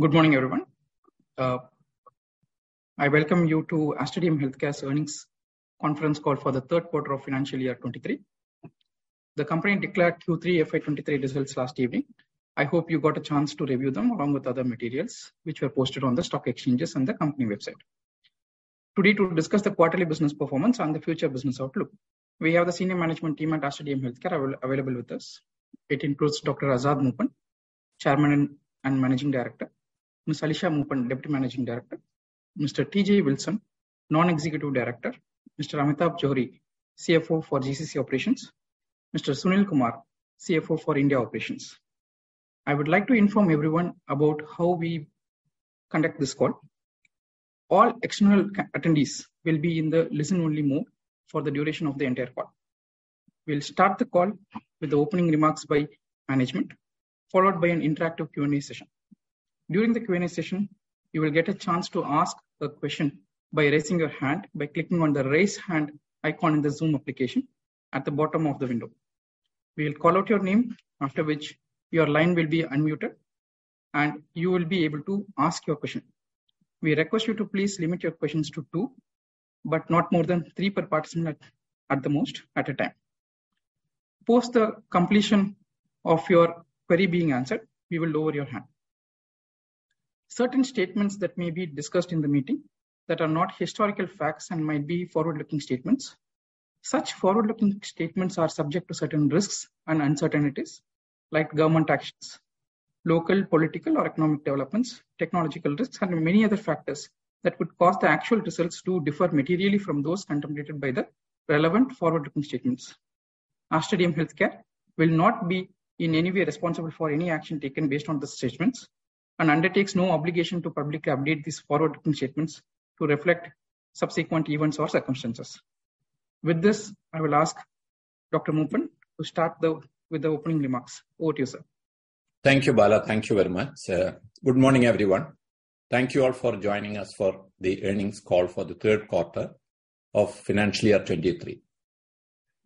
Good morning, everyone. I welcome you to Aster DM Healthcare's earnings conference call for the third quarter of financial year 2023. The company declared Q3 FY 2023 results last evening. I hope you got a chance to review them along with other materials which were posted on the stock exchanges and the company website. Today to discuss the quarterly business performance and the future business outlook, we have the senior management team at Aster DM Healthcare available with us. It includes Dr. Azad Moopen, Chairman and Managing Director, Ms. Alisha Moopen, Deputy Managing Director, Mr. T.J. Wilson, Non-Executive Director, Mr. Amitabh Johri, CFO for GCC Operations, Mr. Sunil Kumar, CFO for India Operations. I would like to inform everyone about how we conduct this call. All external attendees will be in the listen-only mode for the duration of the entire call. We'll start the call with the opening remarks by management, followed by an interactive Q&A session. During the Q&A session, you will get a chance to ask a question by raising your hand by clicking on the Raise Hand icon in the Zoom application at the bottom of the window. We'll call out your name, after which your line will be unmuted, and you will be able to ask your question. We request you to please limit your questions to 2, but not more than 3 per participant at the most at a time. Post the completion of your query being answered, you will lower your hand. Certain statements that may be discussed in the meeting that are not historical facts and might be forward-looking statements. Such forward-looking statements are subject to certain risks and uncertainties like government actions, local political or economic developments, technological risks, and many other factors that could cause the actual results to differ materially from those contemplated by the relevant forward-looking statements. Aster DM Healthcare will not be in any way responsible for any action taken based on the statements and undertakes no obligation to publicly update these forward-looking statements to reflect subsequent events or circumstances. With this, I will ask Dr. Moopen to start with the opening remarks. Over to you, sir. Thank you, Bala. Thank you very much. Good morning, everyone. Thank you all for joining us for the earnings call for the third quarter of financial year 2023.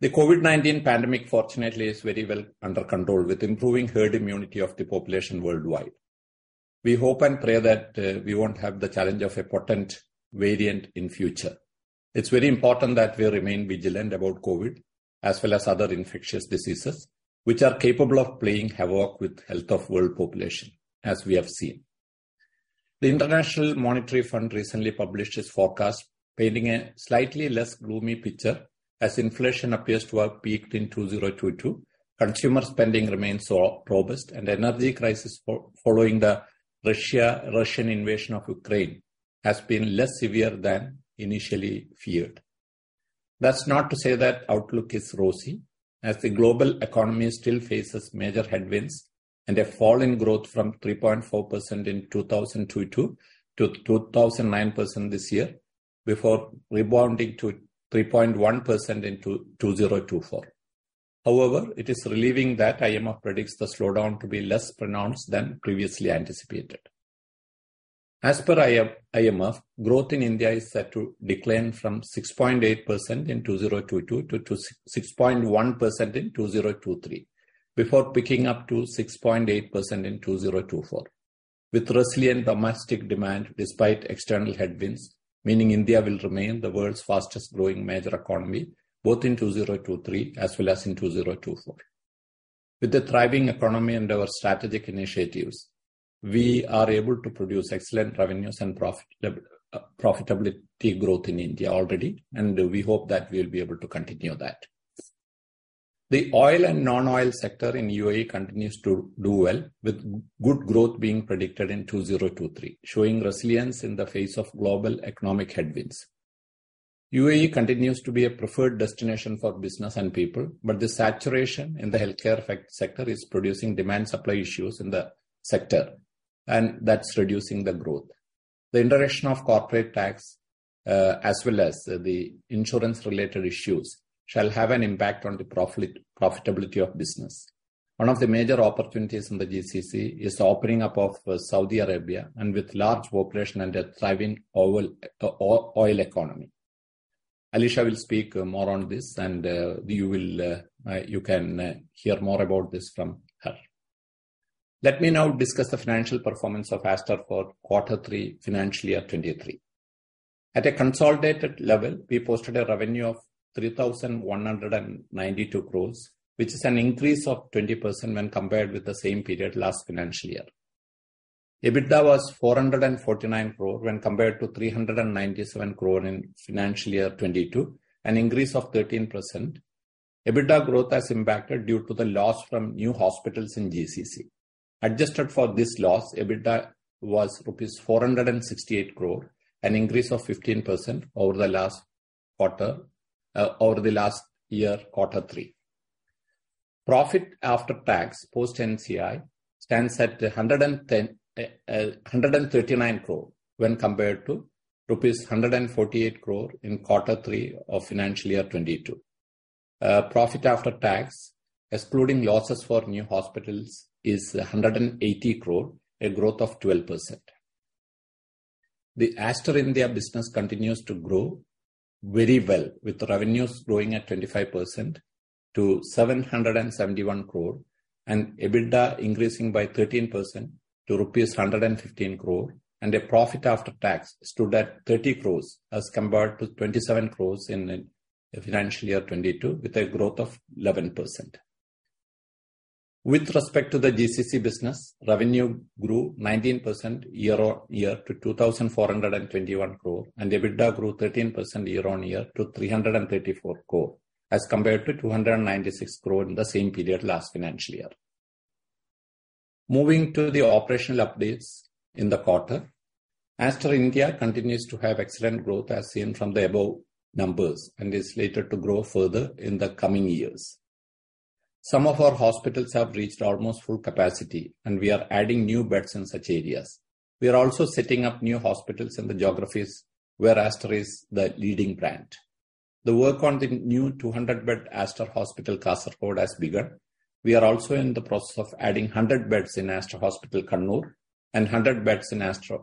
The COVID-19 pandemic fortunately is very well under control with improving herd immunity of the population worldwide. We hope and pray that we won't have the challenge of a potent variant in future. It's very important that we remain vigilant about COVID as well as other infectious diseases which are capable of playing havoc with health of world population, as we have seen. The International Monetary Fund recently published its forecast painting a slightly less gloomy picture as inflation appears to have peaked in 2022, consumer spending remains so robust, and energy crisis following the Russian invasion of Ukraine has been less severe than initially feared. That's not to say that outlook is rosy, as the global economy still faces major headwinds and a fall in growth from 3.4% in 2022 to 2009% this year before rebounding to 3.1% in 2024. However, it is relieving that IMF predicts the slowdown to be less pronounced than previously anticipated. As per IMF, growth in India is set to decline from 6.8% in 2022 to 6.1% in 2023, before picking up to 6.8% in 2024. With resilient domestic demand despite external headwinds, meaning India will remain the world's fastest growing major economy both in 2023 as well as in 2024. With the thriving economy and our strategic initiatives, we are able to produce excellent revenues and profitability growth in India already. We hope that we'll be able to continue that. The oil and non-oil sector in UAE continues to do well, with good growth being predicted in 2023, showing resilience in the face of global economic headwinds. UAE continues to be a preferred destination for business and people. The saturation in the healthcare sector is producing demand-supply issues in the sector, and that's reducing the growth. The introduction of corporate tax, as well as the insurance-related issues shall have an impact on the profitability of business. One of the major opportunities in the GCC is the opening up of Saudi Arabia with large population and a thriving oil economy. Alisha will speak more on this, and you will hear more about this from her. Let me now discuss the financial performance of Aster for quarter three, financially at 2023. At a consolidated level, we posted a revenue of 3,192 crore, which is an increase of 20% when compared with the same period last financial year. EBITDA was 449 crore when compared to 397 crore in financial year 2022, an increase of 13%. EBITDA growth has impacted due to the loss from new hospitals in GCC. Adjusted for this loss, EBITDA was rupees 468 crore, an increase of 15% over the last quarter, over the last year, quarter three. Profit after tax post NCI stands at 139 crore when compared to rupees 148 crore in Q3 of FY 2022. Profit after tax, excluding losses for new hospitals, is 180 crore, a growth of 12%. The Aster India business continues to grow very well, with revenues growing at 25% to 771 crore and EBITDA increasing by 13% to rupees 115 crore. A profit after tax stood at 30 crore as compared to 27 crore in FY 2022, with a growth of 11%. With respect to the GCC business, revenue grew 19% year-on-year to 2,421 crore, and the EBITDA grew 13% year-on-year to 334 crore as compared to 296 crore in the same period last financial year. Moving to the operational updates in the quarter, Aster India continues to have excellent growth as seen from the above numbers, and is slated to grow further in the coming years. Some of our hospitals have reached almost full capacity, and we are adding new beds in such areas. We are also setting up new hospitals in the geographies where Aster is the leading brand. The work on the new 200-bed Aster Hospital Kasaragod has begun. We are also in the process of adding 100 beds in Aster Hospital Kannur and 100 beds in Aster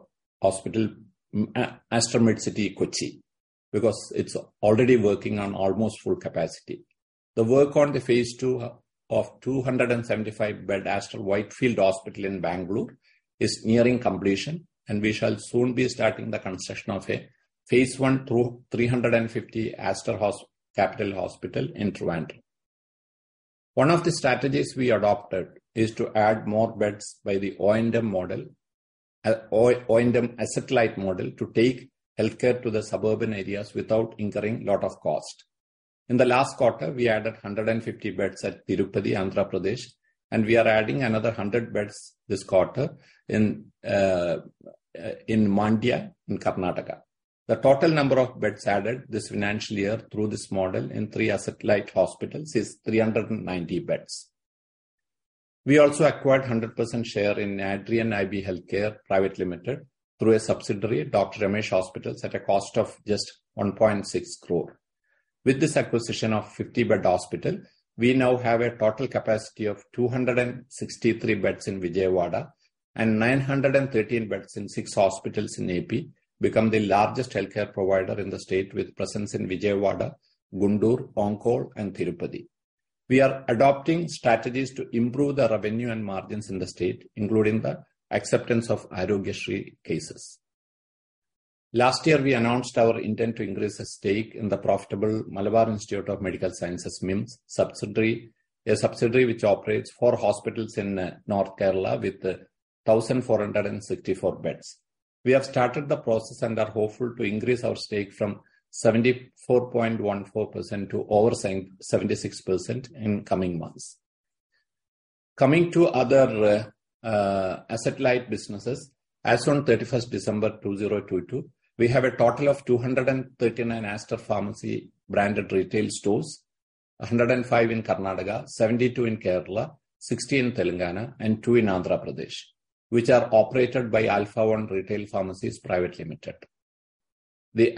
Medcity Kochi, because it's already working on almost full capacity. The work on the Phase II of 275-bed Aster Whitefield Hospital in Bangalore is nearing completion, and we shall soon be starting the construction of a Phase I through 350 Aster Capital Hospital in Trivandrum. One of the strategies we adopted is to add more beds by the O&M model, O&M asset light model to take healthcare to the suburban areas without incurring lot of cost. In the last quarter, we added 150 beds at Tirupati, Andhra Pradesh, and we are adding another 100 beds this quarter in Mandya in Karnataka. The total number of beds added this financial year through this model in 3 asset light hospitals is 390 beds. We also acquired 100% share in Aadrian IB Healthcare Private Limited through a subsidiary, Dr. Ramesh Hospitals, at a cost of just 1.6 crore. With this acquisition of 50-bed hospital, we now have a total capacity of 263 beds in Vijayawada and 913 beds in 6 hospitals in AP, become the largest healthcare provider in the state, with presence in Vijayawada, Guntur, Ongole and Tirupati. We are adopting strategies to improve the revenue and margins in the state, including the acceptance of Aarogyasri cases. Last year we announced our intent to increase the stake in the profitable Malabar Institute of Medical Sciences, MIMS, subsidiary, a subsidiary which operates four hospitals in North Kerala with 1,464 beds. We have started the process and are hopeful to increase our stake from 74.14% to over 76% in coming months. Coming to other asset light businesses. As on December 31st, 2022, we have a total of 239 Aster Pharmacy branded retail stores. 105 in Karnataka, 72 in Kerala, 60 in Telangana and 2 in Andhra Pradesh, which are operated by Alfaone Retail Pharmacies Private Limited. The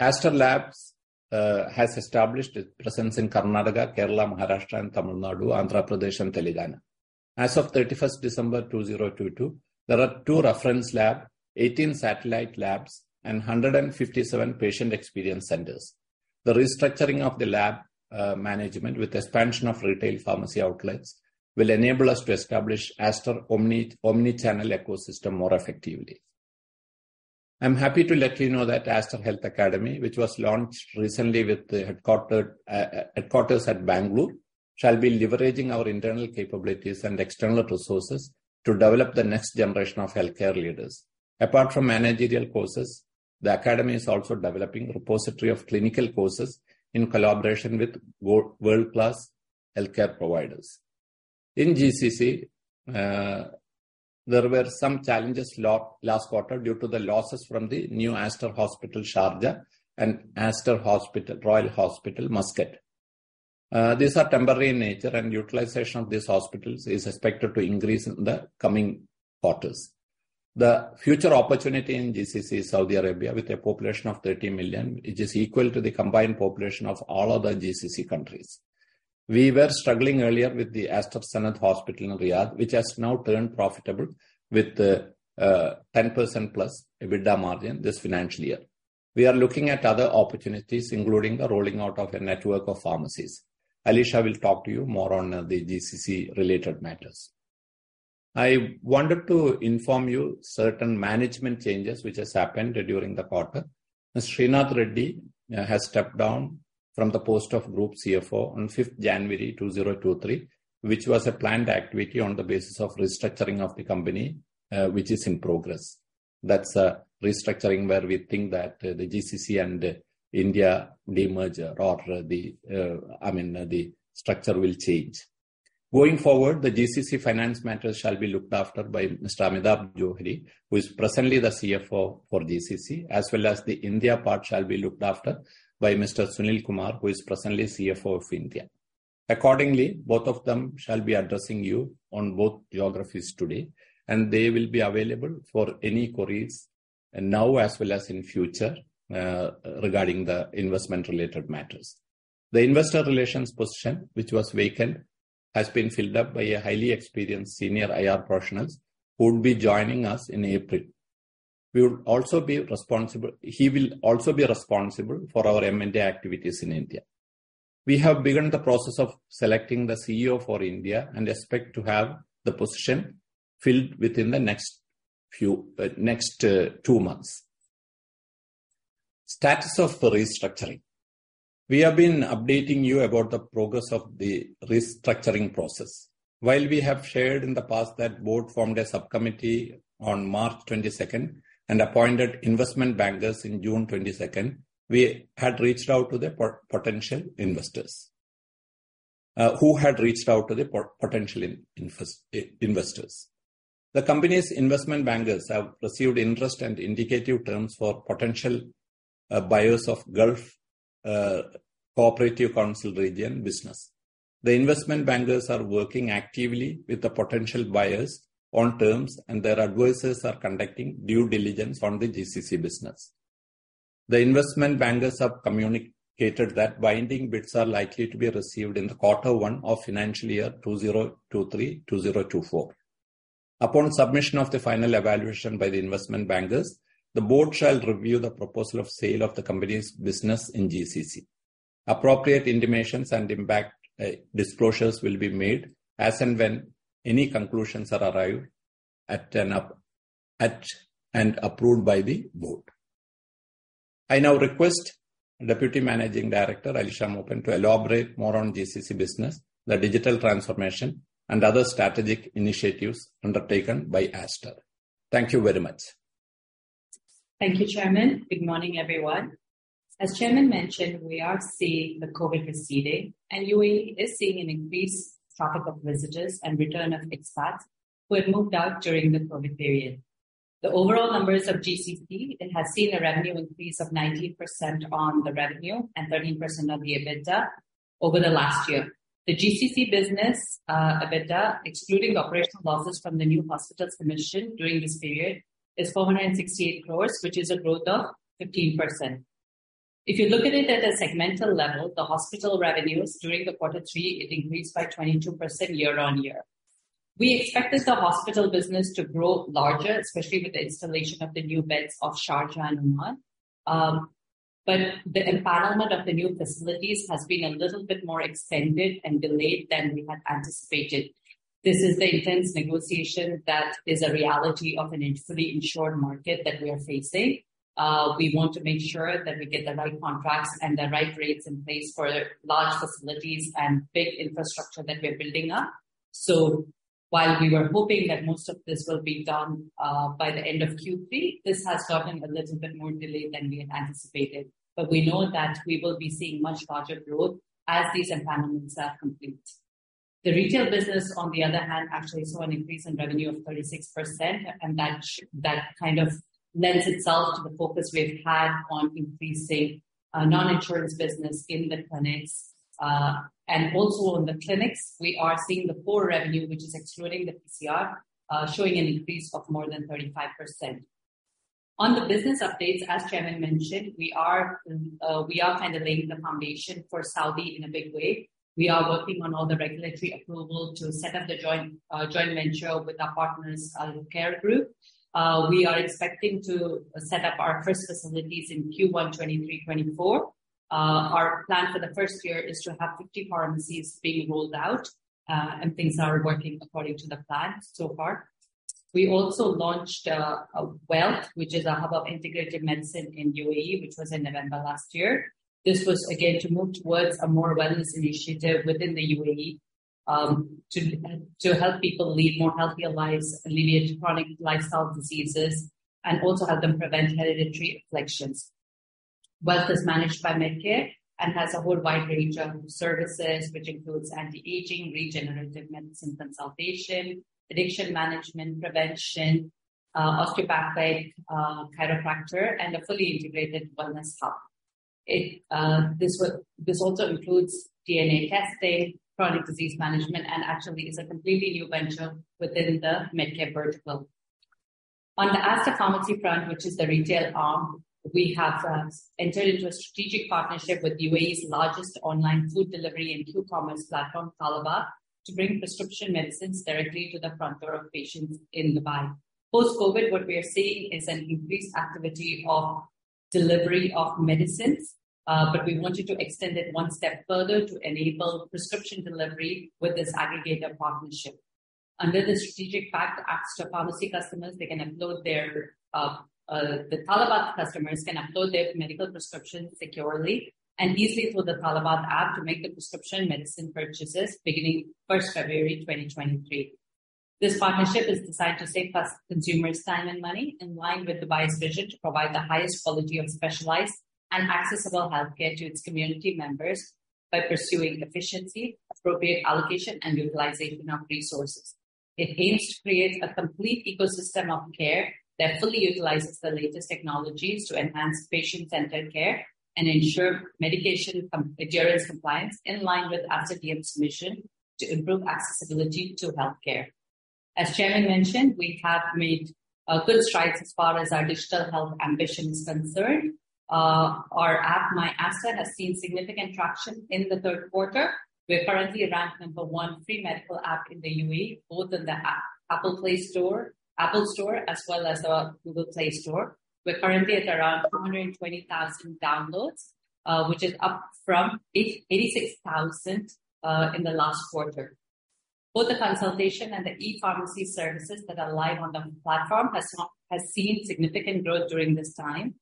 Aster Labs has established its presence in Karnataka, Kerala, Maharashtra and Tamil Nadu, Andhra Pradesh and Telangana. As of 31st December 2022, there are 2 reference lab, 18 satellite labs, and 157 patient experience centers. The restructuring of the lab management with expansion of retail pharmacy outlets will enable us to establish Aster Omnichannel ecosystem more effectively. I'm happy to let you know that Aster Health Academy, which was launched recently with the headquarters at Bengaluru, shall be leveraging our internal capabilities and external resources to develop the next generation of healthcare leaders. Apart from managerial courses, the academy is also developing repository of clinical courses in collaboration with world-class healthcare providers. In GCC, there were some challenges last quarter due to the losses from the new Aster Hospital Sharjah and Aster Royal Hospital, Muscat. These are temporary in nature, and utilization of these hospitals is expected to increase in the coming quarters. The future opportunity in GCC is Saudi Arabia with a population of 30 million, which is equal to the combined population of all other GCC countries. We were struggling earlier with the Aster Sanad Hospital in Riyadh, which has now turned profitable with 10%+ EBITDA margin this financial year. We are looking at other opportunities, including the rolling out of a network of pharmacies. Alisha will talk to you more on the GCC related matters. I wanted to inform you certain management changes which has happened during the quarter. Mr. Sreenath Reddy has stepped down from the post of Group CFO on 5th January 2023, which was a planned activity on the basis of restructuring of the company, which is in progress. That's a restructuring where we think that the GCC and India demerge or I mean, the structure will change. Going forward, the GCC finance matters shall be looked after by Mr. Amitabh Johri, who is presently the CFO for GCC as well as the India part shall be looked after by Mr. Sunil Kumar, who is presently CFO of India. Accordingly, both of them shall be addressing you on both geographies today, and they will be available for any queries now as well as in future regarding the investment-related matters. The investor relations position, which was vacant has been filled up by a highly experienced senior IR professionals who will be joining us in April. He will also be responsible for our M&A activities in India. We have begun the process of selecting the CEO for India and expect to have the position filled within the next few, next 2 months. Status of the restructuring. We have been updating you about the progress of the restructuring process. While we have shared in the past that Board formed a subcommittee on March 22nd and appointed investment bankers in June 22nd, who had reached out to the potential investors. The company's investment bankers have received interest and indicative terms for potential buyers of Gulf Cooperation Council region business. The investment bankers are working actively with the potential buyers on terms, and their advisors are conducting due diligence on the GCC business. The investment bankers have communicated that binding bids are likely to be received in the quarter one of financial year 2023-2024. Upon submission of the final evaluation by the investment bankers, the Board shall review the proposal of sale of the company's business in GCC. Appropriate intimations and impact disclosures will be made as and when any conclusions are arrived at and approved by the board. I now request Deputy Managing Director, Alisha Moopen, to elaborate more on GCC business, the digital transformation and other strategic initiatives undertaken by Aster. Thank you very much. Thank you, Chairman. Good morning, everyone. As Chairman mentioned, we are seeing the COVID receding and UAE is seeing an increased traffic of visitors and return of expats who had moved out during the COVID period. The overall numbers of GCC, it has seen a revenue increase of 19% on the revenue and 13% of the EBITDA over the last year. The GCC business, EBITDA, excluding the operational losses from the new hospitals commissioned during this period, is 468 crore, which is a growth of 15%. If you look at it at a segmental level, the hospital revenues during the Q3, it increased by 22% year-on-year. We expected the hospital business to grow larger, especially with the installation of the new beds of Sharjah and Oman. The empowerment of the new facilities has been a little bit more extended and delayed than we had anticipated. This is the intense negotiation that is a reality of a fully insured market that we are facing. We want to make sure that we get the right contracts and the right rates in place for large facilities and big infrastructure that we're building up. While we were hoping that most of this will be done by the end of Q3, this has gotten a little bit more delayed than we had anticipated. We know that we will be seeing much larger growth as these empowerments are complete. The retail business, on the other hand, actually saw an increase in revenue of 36%, and that kind of lends itself to the focus we've had on increasing non-insurance business in the clinics. Also in the clinics, we are seeing the core revenue, which is excluding the PCR, showing an increase of more than 35%. On the business updates, as Chairman mentioned, we are kind of laying the foundation for Saudi in a big way. We are working on all the regulatory approval to set up the joint venture with our partners, Care Group. We are expecting to set up our first facilities in Q1 2023/2024. Our plan for the first year is to have 50 pharmacies being rolled out, things are working according to the plan so far. We also launched Wellth, which is a hub of integrative medicine in UAE, which was in November last year. This was again to move towards a more wellness initiative within the UAE, to help people lead more healthier lives, alleviate chronic lifestyle diseases, and also help them prevent hereditary afflictions. Wellth is managed by MedCare and has a whole wide range of services, which includes anti-aging, regenerative medicine consultation, addiction management prevention, osteopathic, chiropractor, and a fully integrated wellness hub. It also includes DNA testing, chronic disease management, and actually is a completely new venture within the MedCare vertical. On the Aster Pharmacy front, which is the retail arm, we have entered into a strategic partnership with UAE's largest online food delivery and Q-commerce platform, Talabat, to bring prescription medicines directly to the front door of patients in Dubai. Post-COVID, what we are seeing is an increased activity of delivery of medicines. We wanted to extend it one step further to enable prescription delivery with this aggregator partnership. Under the strategic pact, Talabat customers can upload their medical prescription securely and easily through the Talabat app to make the prescription medicine purchases beginning first February 2023. This partnership is designed to save consumers time and money in line with Dubai's vision to provide the highest quality of specialized and accessible healthcare to its community members by pursuing efficiency, appropriate allocation, and utilization of resources. It aims to create a complete ecosystem of care that fully utilizes the latest technologies to enhance patient-centered care and ensure medication adherence compliance in line with Aster DM's mission to improve accessibility to healthcare. As chairman mentioned, we have made good strides as far as our digital health ambition is concerned. Our app, myAster, has seen significant traction in the third quarter. We are currently ranked number 1 free medical app in the UAE, both in the App Store, as well as the Google Play Store. We're currently at around 220,000 downloads, which is up from 86,000 in the last quarter. Both the consultation and the e-pharmacy services that are live on the platform has seen significant growth during this time.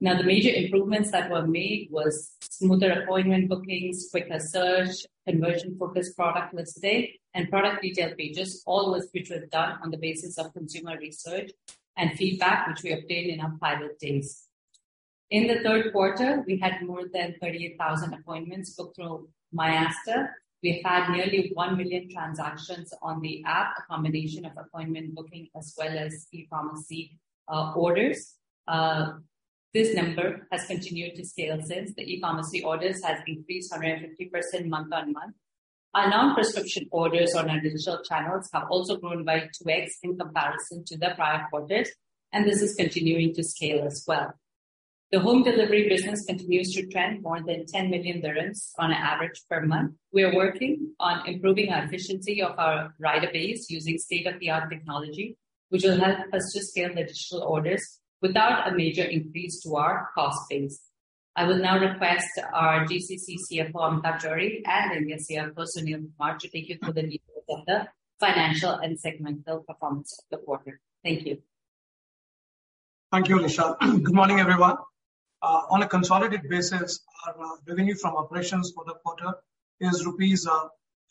The major improvements that were made was smoother appointment bookings, quicker search, conversion-focused product listing, and product detail pages, all was which was done on the basis of consumer research and feedback which we obtained in our pilot days. In the third quarter, we had more than 38,000 appointments booked through myAster. We had nearly 1 million transactions on the app, a combination of appointment booking as well as e-pharmacy orders. This number has continued to scale since. The e-pharmacy orders has increased 150% month-on-month. Our non-prescription orders on our digital channels have also grown by 2x in comparison to the prior quarters, and this is continuing to scale as well. The home delivery business continues to trend more than 10 million dirhams on an average per month. We are working on improving our efficiency of our rider base using state-of-the-art technology, which will help us to scale the digital orders without a major increase to our cost base. I will now request our GCC CFO, Amitabh Johri, and India CFO, Sunil Kumar, to take you through the details of the financial and segmental performance of the quarter. Thank you. Thank you, Alisha. Good morning, everyone. On a consolidated basis, our revenue from operations for the quarter is rupees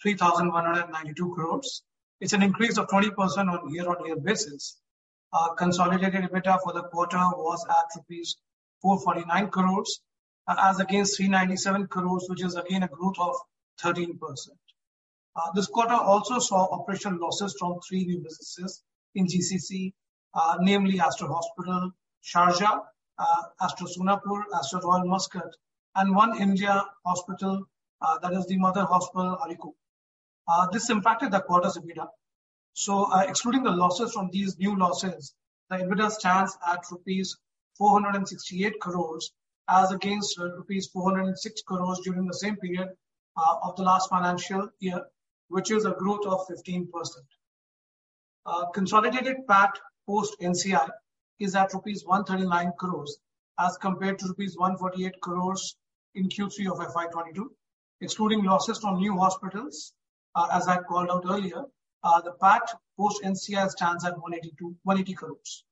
3,192 crores. It's an increase of 20% on year-on-year basis. Consolidated EBITDA for the quarter was at INR 449 crores as against 397 crores, which is again a growth of 13%. This quarter also saw operational losses from three new businesses in GCC, namely Aster Hospital, Sharjah, Aster Sonapur, Aster Ruwi, Muscat, and one India hospital, that is the Mother Hospital Areekode. This impacted the quarter's EBITDA. Excluding the losses from these new losses, the EBITDA stands at INR 468 crores as against INR 406 crores during the same period of the last financial year, which is a growth of 15%. Consolidated PAT post NCI is at rupees 139 crores as compared to rupees 148 crores in Q3 of FY 2022. Excluding losses from new hospitals, as I called out earlier, the PAT post NCI stands at 180 crores.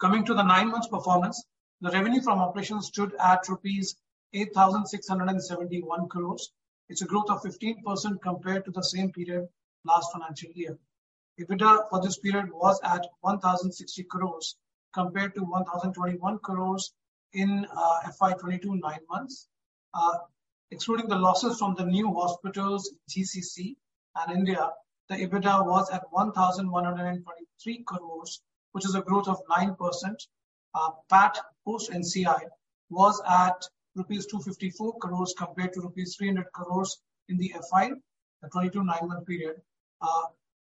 Coming to the nine months performance, the revenue from operations stood at rupees 8,671 crores. It's a growth of 15% compared to the same period last financial year. EBITDA for this period was at 1,060 crores compared to 1,021 crores in FY 2022 nine months. Excluding the losses from the new hospitals, GCC and India, the EBITDA was at 1,123 crores, which is a growth of 9%. PAT post NCI was at rupees 254 crores compared to rupees 300 crores in the FY, the 2022 nine-month period.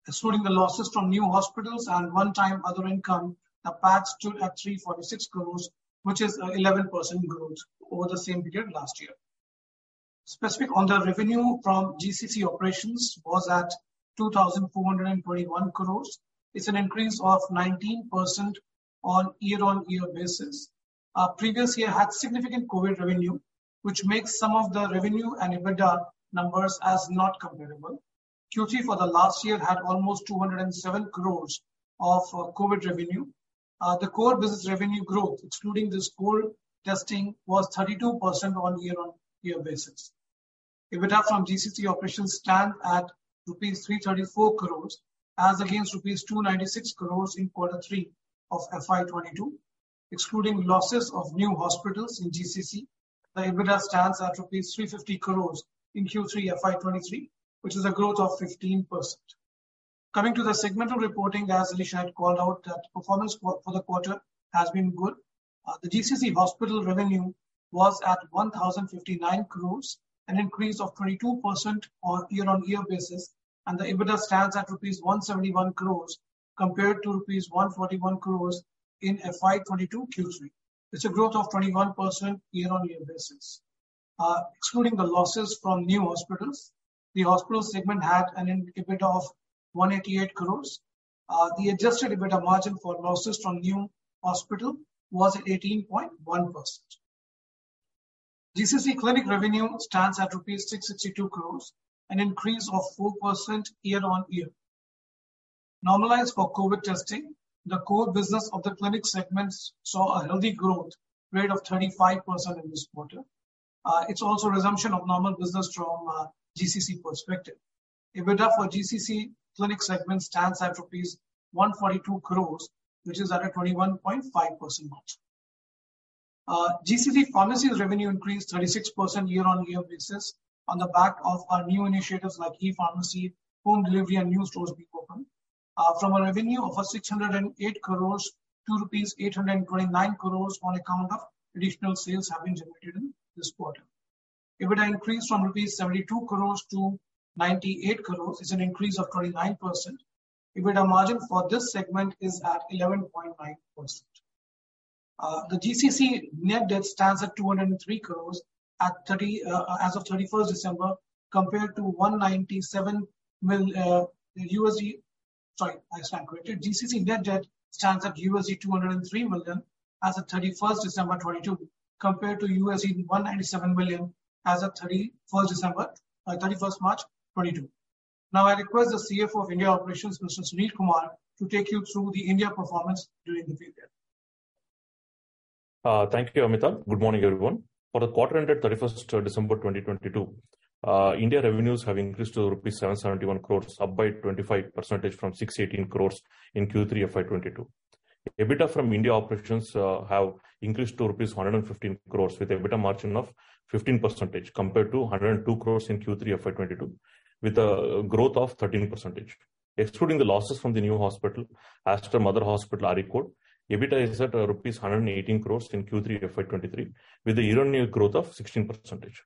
Excluding the losses from new hospitals and one-time other income, the PAT stood at 346 crores, which is 11% growth over the same period last year. Specific on the revenue from GCC operations was at 2,421 crores. It's an increase of 19% on year-on-year basis. Our previous year had significant COVID revenue, which makes some of the revenue and EBITDA numbers as not comparable. Q3 for the last year had almost 207 crores of COVID revenue. The core business revenue growth, excluding this COVID testing, was 32% on year-on-year basis. EBITDA from GCC operations stand at rupees 334 crores as against rupees 296 crores in Q3 of FY 2022. Excluding losses of new hospitals in GCC, the EBITDA stands at rupees 350 crores in Q3 FY 2023, which is a growth of 15%. Coming to the segmental reporting, as Alisha had called out, the performance for the quarter has been good. The GCC hospital revenue was at 1,059 crores, an increase of 22% on year-on-year basis, the EBITDA stands at rupees 171 crores compared to rupees 141 crores in FY 2022 Q3. It's a growth of 21% year-on-year basis. Excluding the losses from new hospitals, the hospital segment had an EBIT of 188 crores. The adjusted EBITDA margin for losses from new hospital was 18.1%. GCC clinic revenue stands at rupees 662 crores, an increase of 4% year-on-year. Normalized for COVID testing, the core business of the clinic segments saw a healthy growth rate of 35% in this quarter. It's also resumption of normal business from a GCC perspective. EBITDA for GCC clinic segment stands at rupees 142 crores, which is at a 21.5% margin. GCC pharmacy revenue increased 36% year-on-year basis on the back of our new initiatives like e-pharmacy, home delivery and new stores being opened. From a revenue of 608 crores to rupees 829 crores on account of additional sales having generated in this quarter. It would increase from rupees 72 crores to 98 crores, an increase of 29%. EBITDA margin for this segment is at 11.9%. Sorry, I stand corrected. GCC net debt stands at $203 million as of 31st December 2022 compared to $197 million as of 31st March 2022. I request the CFO of India Operations, Mr. Sunil Kumar, to take you through the India performance during the period. Thank you, Amitabh. Good morning, everyone. For the quarter ended 31st December 2022, India revenues have increased to rupees 771 crores, up by 25% from 618 crores in Q3 FY 2022. EBITDA from India operations have increased to rupees 115 crores with EBITDA margin of 15% compared to 102 crores in Q3 FY 2022 with a growth of 13%. Excluding the losses from the new hospital, Aster Mother Hospital Areekode, EBITDA is at rupees 118 crores in Q3 FY 2023 with a year-on-year growth of 16%.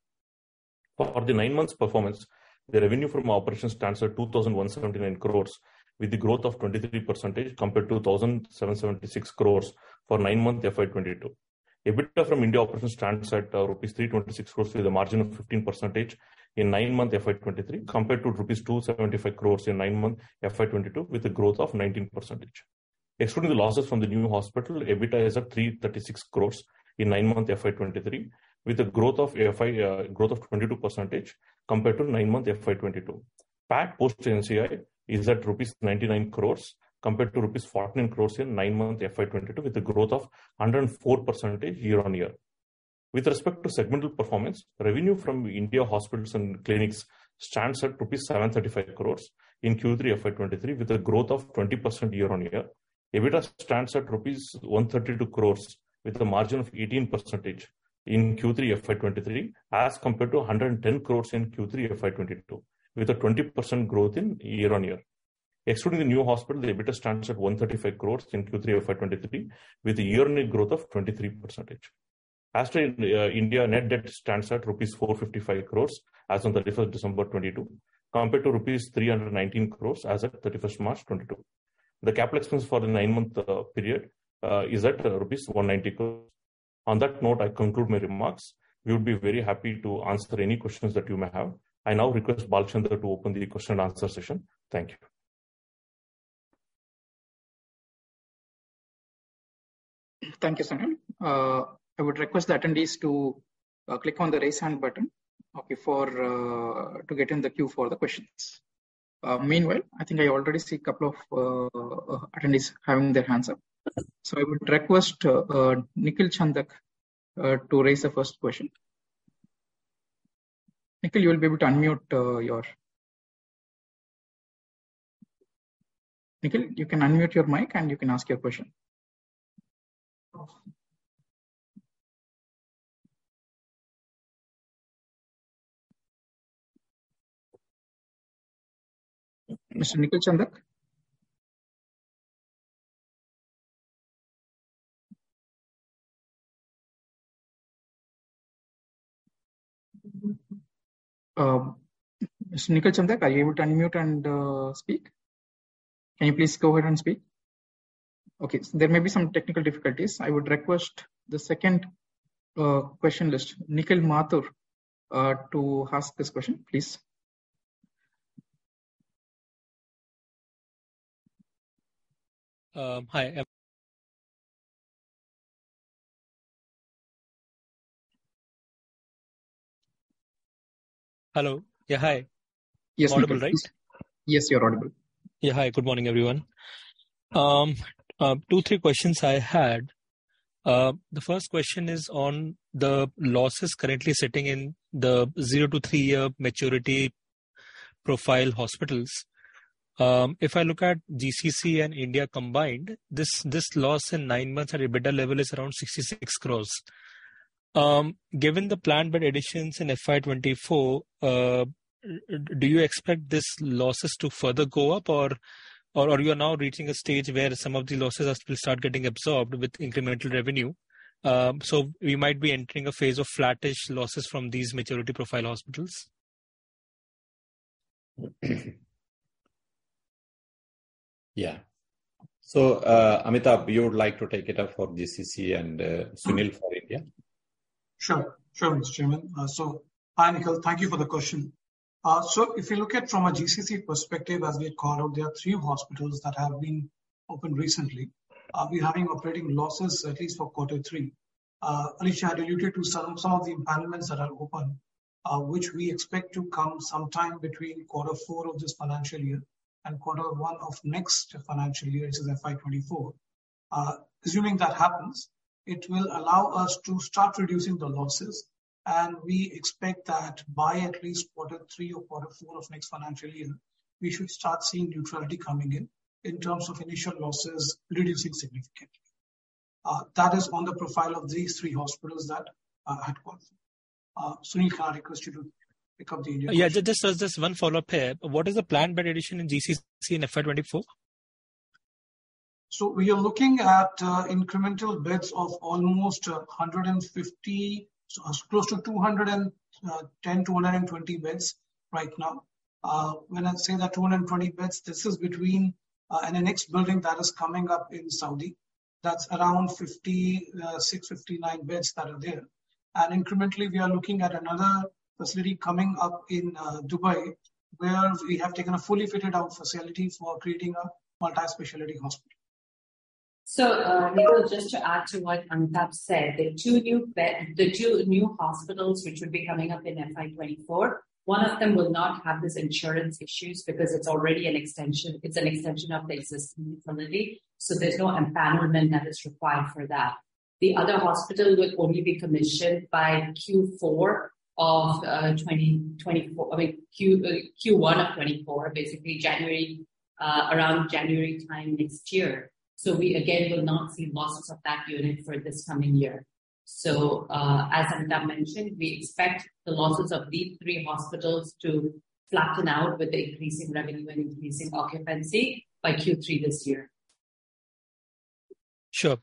For the nine months performance, the revenue from operations stands at 2,179 crores with the growth of 23% compared to 1,776 crores for nine months FY 2022. EBITDA from India operations stands at rupees 326 crores with a margin of 15% in 9-month FY 2023 compared to rupees 275 crores in 9-month FY 2022 with a growth of 19%. Excluding the losses from the new hospital, EBITDA is at 336 crores in 9-month FY 2023 with a growth of 22% compared to 9-month FY 2022. PAT post NCI is at rupees 99 crores compared to rupees 49 crores in 9-month FY 2022 with a growth of 104% year on year. With respect to segmental performance, revenue from India hospitals and clinics stands at rupees 735 crores in Q3 FY 2023 with a growth of 20% year on year. EBITDA stands at rupees 132 crores with a margin of 18% in Q3 FY 2023 as compared to 110 crores in Q3 FY 2022 with a 20% growth in year-on-year. Excluding the new hospital, the EBITDA stands at 135 crores in Q3 FY 2023 with a year-on-year growth of 23%. Aster India net debt stands at rupees 455 crores as on 31st December 2022 compared to rupees 319 crores as of 31st March 2022. The CapEx for the 9-month period is at rupees 190 crores. On that note, I conclude my remarks. We would be very happy to answer any questions that you may have. I now request Balachander to open the question and answer session. Thank you. Thank you, Sunil. I would request the attendees to click on the raise hand button, okay, to get in the queue for the questions. Meanwhile, I think I already see a couple of attendees having their hands up. I would request Nikhil Chandak to raise the first question. Nikhil, you can unmute your mic and you can ask your question. Mr. Nikhil Chandak. Mr. Nikhil Chandak, are you able to unmute and speak? Can you please go ahead and speak? There may be some technical difficulties. I would request the second question list, Nikhil Mathur, to ask this question, please. Hi. Hello? Yeah, hi. Yes, Nikhil. I'm audible, right? Yes, you're audible. Yeah. Hi, good morning, everyone. 2, 3 questions I had. The first question is on the losses currently sitting in the 0-3-year maturity profile hospitals. If I look at GCC and India combined, this loss in 9 months at EBITDA level is around 66 crores. Given the planned bed additions in FY 2024, do you expect these losses to further go up or you are now reaching a stage where some of the losses are still start getting absorbed with incremental revenue, so we might be entering a phase of flattish losses from these maturity profile hospitals? Yeah. Amitabh, you would like to take it up for GCC and Sunil for India. Sure. Sure, Mr. Chairman. Hi, Nikhil. Thank you for the question. If you look at from a GCC perspective, as we had called out, there are 3 hospitals that have been opened recently, behind operating losses at least for quarter three. Anish had alluded to some of the empowerments that are open, which we expect to come sometime between quarter four of this financial year and quarter one of next financial year into FY 2024. Assuming that happens, it will allow us to start reducing the losses and we expect that by at least quarter three or quarter four of next financial year, we should start seeing neutrality coming in in terms of initial losses reducing significantly. That is on the profile of these 3 hospitals that are at quarter. Sunil, can I request you to pick up the India-? Yeah. Just as one follow-up here, what is the planned bed addition in GCC in FY 2024? We are looking at incremental beds of almost 150, close to 210, 220 beds right now. When I say that 220 beds, this is between an annex building that is coming up in Saudi. That's around 56-59 beds that are there. Incrementally, we are looking at another facility coming up in Dubai, where we have taken a fully fitted out facility for creating a multi-specialty hospital. Nikhil, just to add to what Amitabh said. The two new hospitals which would be coming up in FY 2024, one of them will not have these insurance issues because it's already an extension of the existing facility, so there's no empowerment that is required for that. The other hospital will only be commissioned by Q4 of 2024. I mean Q1 of '24, basically January, around January time next year. We again will not see losses of that unit for this coming year. As Amitabh mentioned, we expect the losses of these three hospitals to flatten out with the increasing revenue and increasing occupancy by Q3 this year. Sure.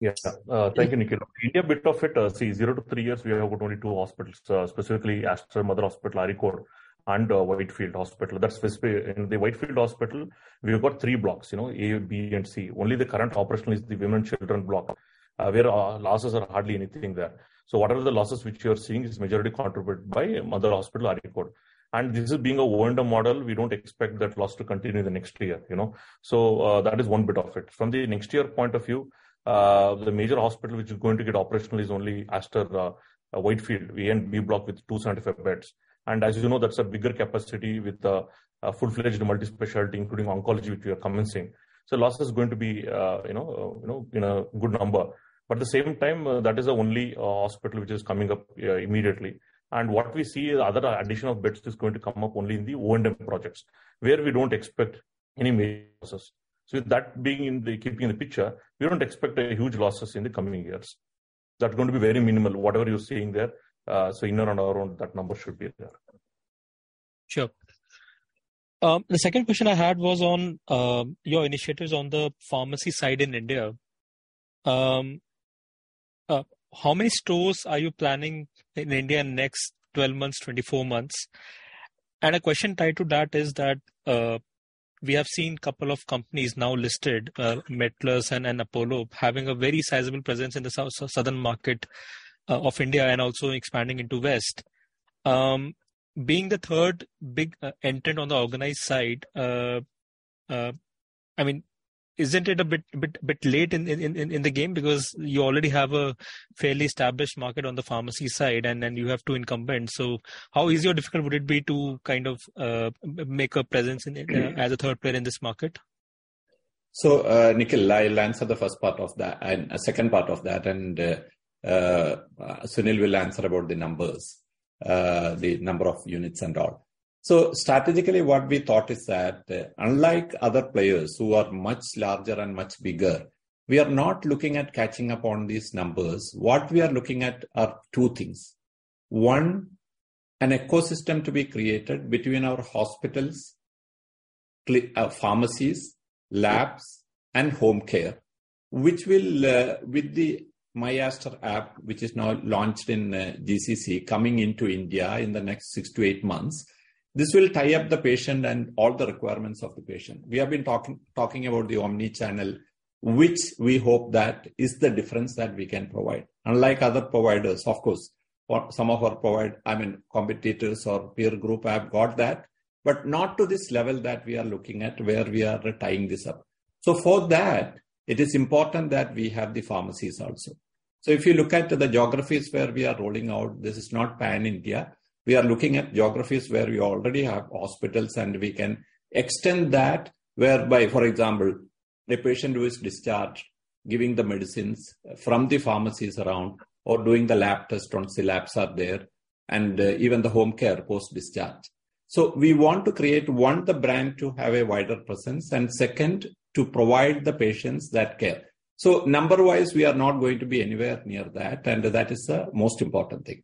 Yes, sir. Thank you, Nikhil. India bit of it, say 0 to 3 years, we have about only 2 hospitals. Specifically Aster Mother Hospital Areekode and Whitefield Hospital. In the Whitefield Hospital we've got 3 blocks, you know, A, B and C. Only the current operational is the women and children block, where our losses are hardly anything there. Whatever the losses which you're seeing is majority contributed by Mother Hospital Areekode. This is being a O&M model, we don't expect that loss to continue the next year, you know. That is 1 bit of it. From the next year point of view, the major hospital which is going to get operational is only Aster Whitefield ENB block with 275 beds. As you know, that's a bigger capacity with a full-fledged multi-specialty, including oncology, which we are commencing. Losses is going to be, you know, in a good number. The same time, that is the only hospital which is coming up immediately. What we see is other addition of beds is going to come up only in the O&M projects, where we don't expect any major losses. With that being keeping in the picture, we don't expect any huge losses in the coming years. That going to be very minimal, whatever you're seeing there, in and around that number should be there. Sure. The second question I had was on your initiatives on the pharmacy side in India. How many stores are you planning in India next 12 months, 24 months? A question tied to that is that we have seen couple of companies now listed, MedPlus and Apollo, having a very sizable presence in the southern market of India and also expanding into West. Being the third big entrant on the organized side, isn't it a bit late in the game because you already have a fairly established market on the pharmacy side and you have two incumbents. How easy or difficult would it be to kind of make a presence in India as a third player in this market? Nikhil, I'll answer the first part of that and second part of that and Sunil will answer about the numbers, the number of units and all. Strategically what we thought is that unlike other players who are much larger and much bigger, we are not looking at catching up on these numbers. What we are looking at are 2 things. One, an ecosystem to be created between our hospitals, pharmacies, labs, and home care, which will, with the myAster app, which is now launched in GCC, coming into India in the next 6 to 8 months. This will tie up the patient and all the requirements of the patient. We have been talking about the omni-channel, which we hope that is the difference that we can provide. Unlike other providers, of course, for some of our I mean, competitors or peer group have got that, but not to this level that we are looking at where we are tying this up. For that, it is important that we have the pharmacies also. If you look at the geographies where we are rolling out, this is not pan-India. We are looking at geographies where we already have hospitals, and we can extend that whereby, for example, the patient who is discharged, giving the medicines from the pharmacies around or doing the lab tests once the labs are there, and even the home care post-discharge. We want to create, one, the brand to have a wider presence, and second, to provide the patients that care. Number-wise, we are not going to be anywhere near that, and that is the most important thing.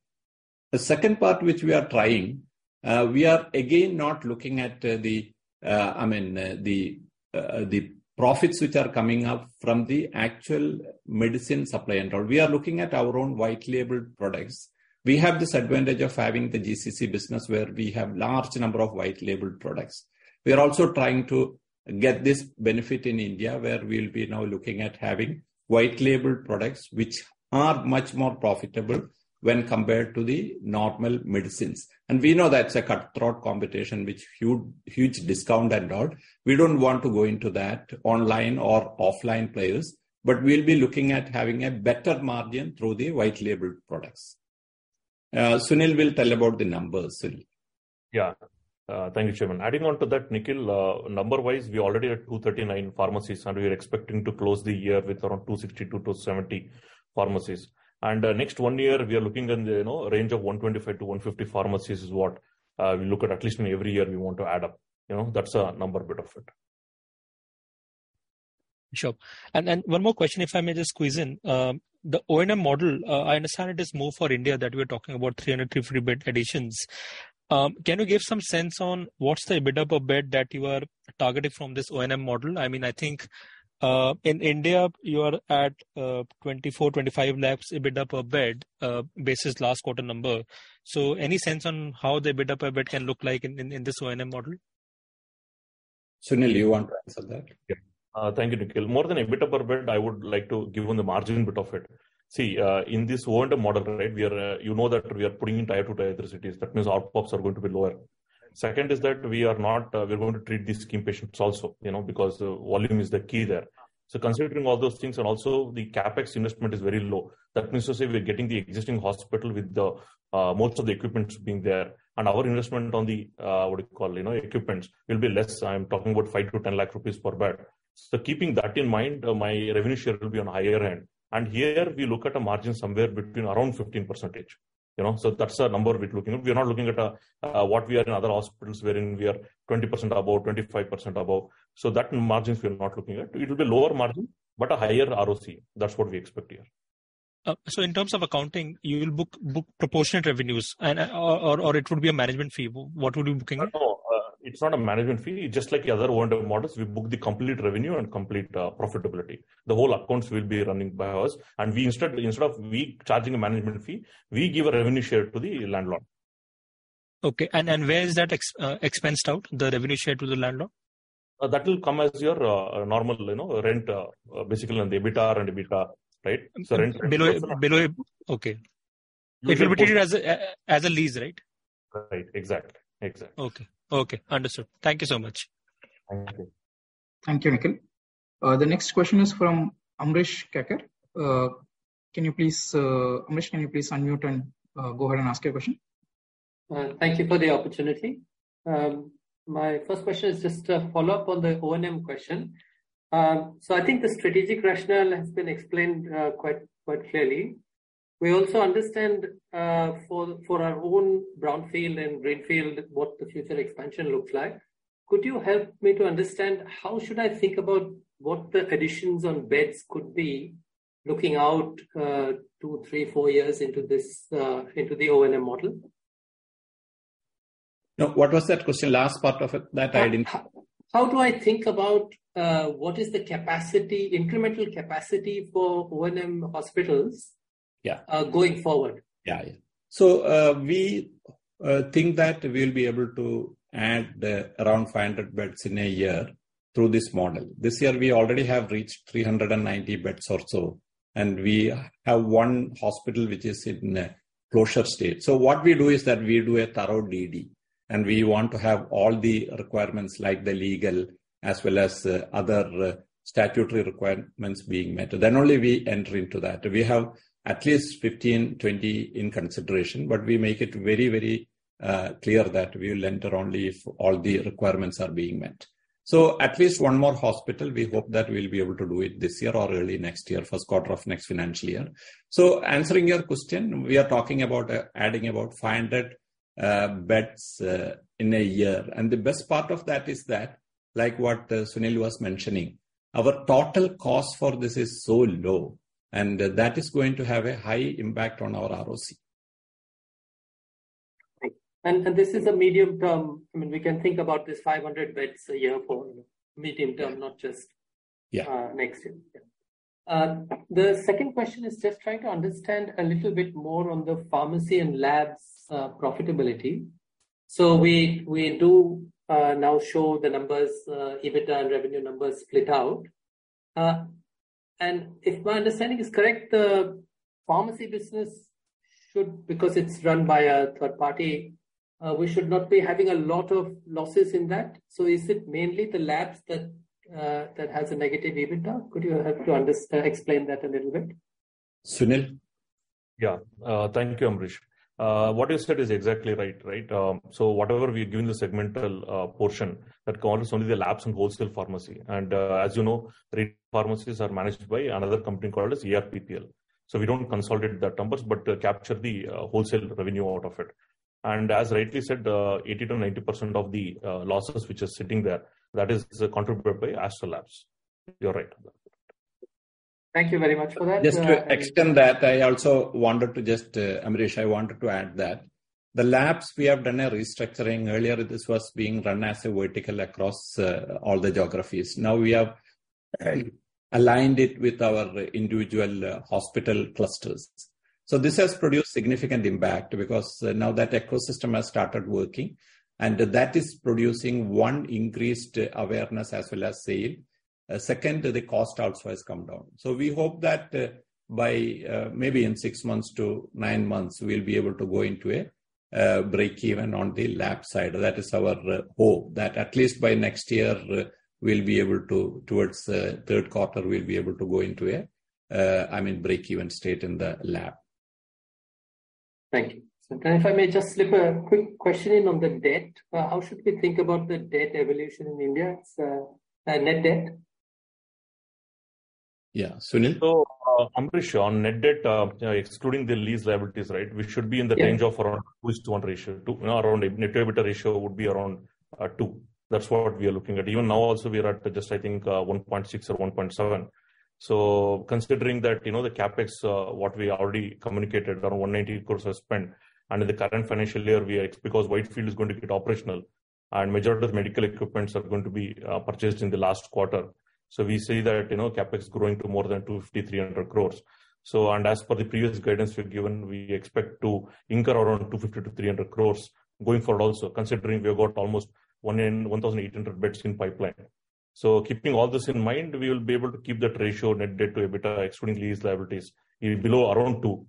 The second part which we are trying, we are again not looking at the profits which are coming up from the actual medicine supply and all. We are looking at our own white labeled products. We have this advantage of having the GCC business where we have large number of white labeled products. We are also trying to get this benefit in India where we'll be now looking at having white labeled products which are much more profitable when compared to the normal medicines. We know that's a cutthroat competition with huge discount and all. We don't want to go into that online or offline players, we'll be looking at having a better margin through the white labeled products. Sunil will tell about the numbers. Sunil. Thank you, Chairman. Adding on to that, Nikhil, number-wise, we already are 239 pharmacies, and we are expecting to close the year with around 260-270 pharmacies. Next one year, we are looking in the, you know, range of 125-150 pharmacies is what we look at. At least in every year we want to add up. You know, that's a number bit of it. Sure. One more question, if I may just squeeze in. The O&M model, I understand it is more for India that we're talking about 303 bed additions. Can you give some sense on what's the EBITDA per bed that you are targeting from this O&M model? In India you are at 24-25 lakhs EBITDA per bed, basis last quarter number. Any sense on how the EBITDA per bed can look like in this O&M model? Sunil, you want to answer that? Yeah. Thank you, Nikhil. More than EBITDA per bed, I would like to give on the margin bit of it. In this O&M model, right, we are, you know that we are putting in tier two, tier three cities. That means OPEX are going to be lower. Second is that we are not, we're going to treat these scheme patients also, you know, because volume is the key there. Considering all those things, and also the CapEx investment is very low. That means to say we're getting the existing hospital with the most of the equipment being there and our investment on the, what do you call, you know, equipment will be less. I'm talking about 5 lakh-10 lakh rupees per bed. Keeping that in mind, my revenue share will be on the higher end. Here we look at a margin somewhere between around 15%, you know. That's the number we're looking at. We're not looking at what we are in other hospitals wherein we are 20% above, 25% above. That margins we're not looking at. It'll be lower margin but a higher ROC. That's what we expect here. In terms of accounting, you will book proportionate revenues and, or it would be a management fee? What would you be looking at? No. It's not a management fee. Just like the other O&M models, we book the complete revenue and complete profitability. The whole accounts will be running by us. We instead of we charging a management fee, we give a revenue share to the landlord. Okay. Where is that expensed out, the revenue share to the landlord? That will come as your, normal, you know, rent, basically on the EBITDA and EBITDA, right? Below. Okay. It will be treated as a lease, right? Right. Exactly. Exactly. Okay. Okay. Understood. Thank you so much. Thank you. Thank you, Nikhil. The next question is from Amrish Kacker. Amrish, can you please unmute and go ahead and ask your question. Thank you for the opportunity. My first question is just a follow-up on the O&M question. I think the strategic rationale has been explained, quite clearly. We also understand, for our own brownfield and greenfield, what the future expansion looks like. Could you help me to understand how should I think about what the additions on beds could be looking out 2, 3, 4 years into the O&M model? No. What was that question, last part of it that I didn't- How do I think about what is the capacity, incremental capacity for O&M hospitals? Yeah. going forward? Yeah. We think that we'll be able to add around 500 beds in a year through this model. This year we already have reached 390 beds or so, and we have 1 hospital which is in a closure state. What we do is that we do a thorough DD, and we want to have all the requirements like the legal as well as other statutory requirements being met. Only we enter into that. We have at least 15, 20 in consideration, but we make it very, very clear that we will enter only if all the requirements are being met. At least 1 more hospital, we hope that we'll be able to do it this year or early next year, first quarter of next financial year. Answering your question, we are talking about adding about 500 beds in a year. The best part of that is that, like what Sunil was mentioning, our total cost for this is so low and that is going to have a high impact on our ROC. Right. This is a medium term. I mean, we can think about this 500 beds a year for medium term. Yeah. next year. The second question is just trying to understand a little bit more on the pharmacy and labs, profitability. We do now show the numbers, EBITDA and revenue numbers split out. If my understanding is correct, the pharmacy business should, because it's run by a third party, we should not be having a lot of losses in that. Is it mainly the labs that has a negative EBITDA? Could you help to explain that a little bit? Sunil. Yeah. Thank you, Amrish. What you said is exactly right. Whatever we're giving the segmental portion that covers only the labs and wholesale pharmacy. As you know, retail pharmacies are managed by another company called EF PPL. We don't consolidate their numbers but capture the wholesale revenue out of it. As rightly said, 80%-90% of the losses which are sitting there, that is contributed by Aster Labs. You're right. Thank you very much for that. Just to extend that, I also wanted to just, Amrish, I wanted to add that the labs we have done a restructuring. Earlier this was being run as a vertical across all the geographies. We have aligned it with our individual hospital clusters. This has produced significant impact because now that ecosystem has started working and that is producing, one, increased awareness as well as sale. Second, the cost also has come down. We hope that by maybe in 6 months-9 months, we'll be able to go into a breakeven on the lab side. That is our hope, that at least by next year we'll be able to, towards the third quarter, we'll be able to go into a, I mean, breakeven state in the lab. Thank you. If I may just slip a quick question in on the debt. How should we think about the debt evolution in India? It's net debt. Yeah. Sunil? Amrish, on net debt, excluding the lease liabilities. Yeah. we should be in the range of around 2:1 ratio, our own net debt to EBITDA ratio would be around 2. That's what we are looking at. Even now also we are at just I think, 1.6 or 1.7. Considering that, you know, the CapEx what we already communicated, around 190 crores was spent. Under the current financial year because Whitefield is going to get operational, and majority of medical equipments are going to be purchased in the last quarter. We see that, you know, CapEx growing to more than 250-300 crores. As per the previous guidance we've given, we expect to incur around 250-300 crores going forward also, considering we have got almost 1,800 beds in pipeline. Keeping all this in mind, we will be able to keep that ratio net debt to EBITDA excluding lease liabilities below around 2,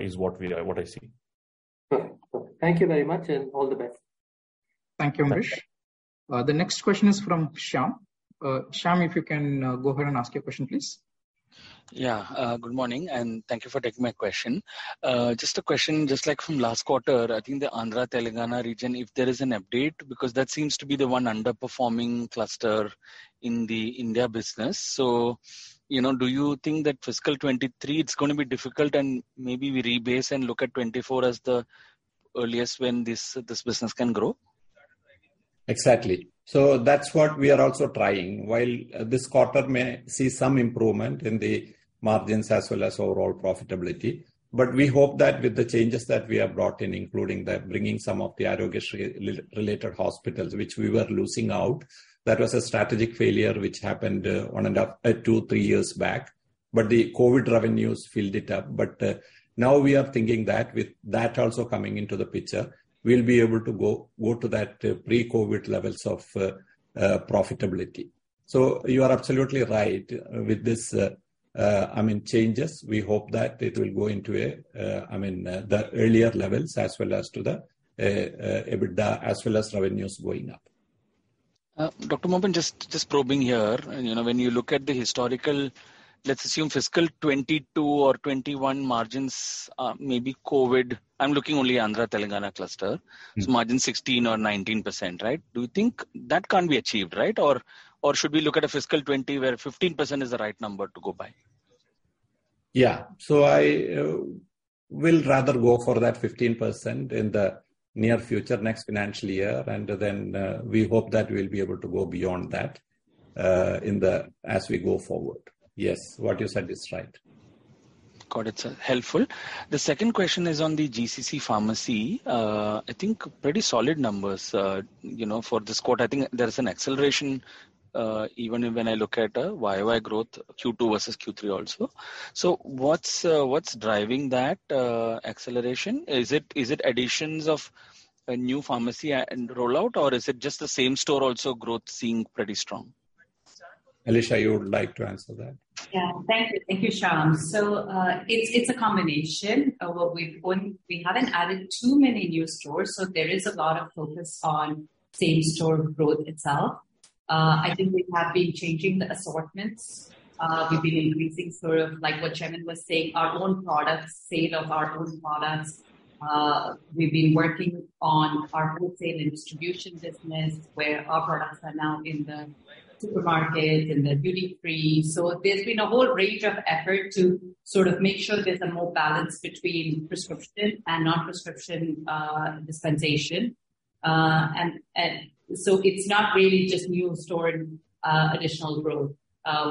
is what we are, what I see. Okay. Thank you very much, and all the best. Thank you. Thank you, Amrish. The next question is from Shyam. Shyam, if you can, go ahead and ask your question, please. Yeah. Good morning. Thank you for taking my question. Just a question, just like from last quarter, I think the Andhra Telangana region, if there is an update, because that seems to be the one underperforming cluster in the India business. You know, do you think that fiscal 2023 it's gonna be difficult and maybe we rebase and look at 2024 as the earliest when this business can grow? Exactly. That's what we are also trying. While this quarter may see some improvement in the margins as well as overall profitability, but we hope that with the changes that we have brought in, including the bringing some of the aggregation related hospitals which we were losing out, that was a strategic failure which happened 2-3 years back. The COVID revenues filled it up. Now we are thinking that with that also coming into the picture, we'll be able to go to that pre-COVID levels of profitability. You are absolutely right with this, I mean, changes. We hope that it will go into a, I mean, the earlier levels as well as to the EBITDA as well as revenues going up. Dr. Moopen, just probing here. You know, when you look at the historical, let's assume fiscal 2022 or 2021 margins, maybe COVID. I'm looking only Andhra Telangana cluster. Mm-hmm. Margin 16 or 19%, right? Do you think that can't be achieved, right? Should we look at a fiscal 2020 where 15% is the right number to go by? Yeah. I will rather go for that 15% in the near future, next financial year. We hope that we'll be able to go beyond that in the, as we go forward. Yes. What you said is right. Got it, sir. Helpful. The second question is on the GCC pharmacy. I think pretty solid numbers. You know, for this quarter, I think there is an acceleration, even when I look at YOY growth, Q2 versus Q3 also. What's driving that acceleration? Is it additions of a new pharmacy and rollout, or is it just the same store also growth seeing pretty strong? Alisha, you would like to answer that. Yeah. Thank you. Thank you, Shyam. It's, it's a combination. We haven't added too many new stores, so there is a lot of focus on same store growth itself. I think we have been changing the assortments. We've been increasing sort of like what Chairman was saying, our own products, sale of our own products. We've been working on our wholesale and distribution business where our products are now in the supermarket, in the duty free. There's been a whole range of effort to sort of make sure there's a more balance between prescription and non-prescription, dispensation. It's not really just new store, additional growth.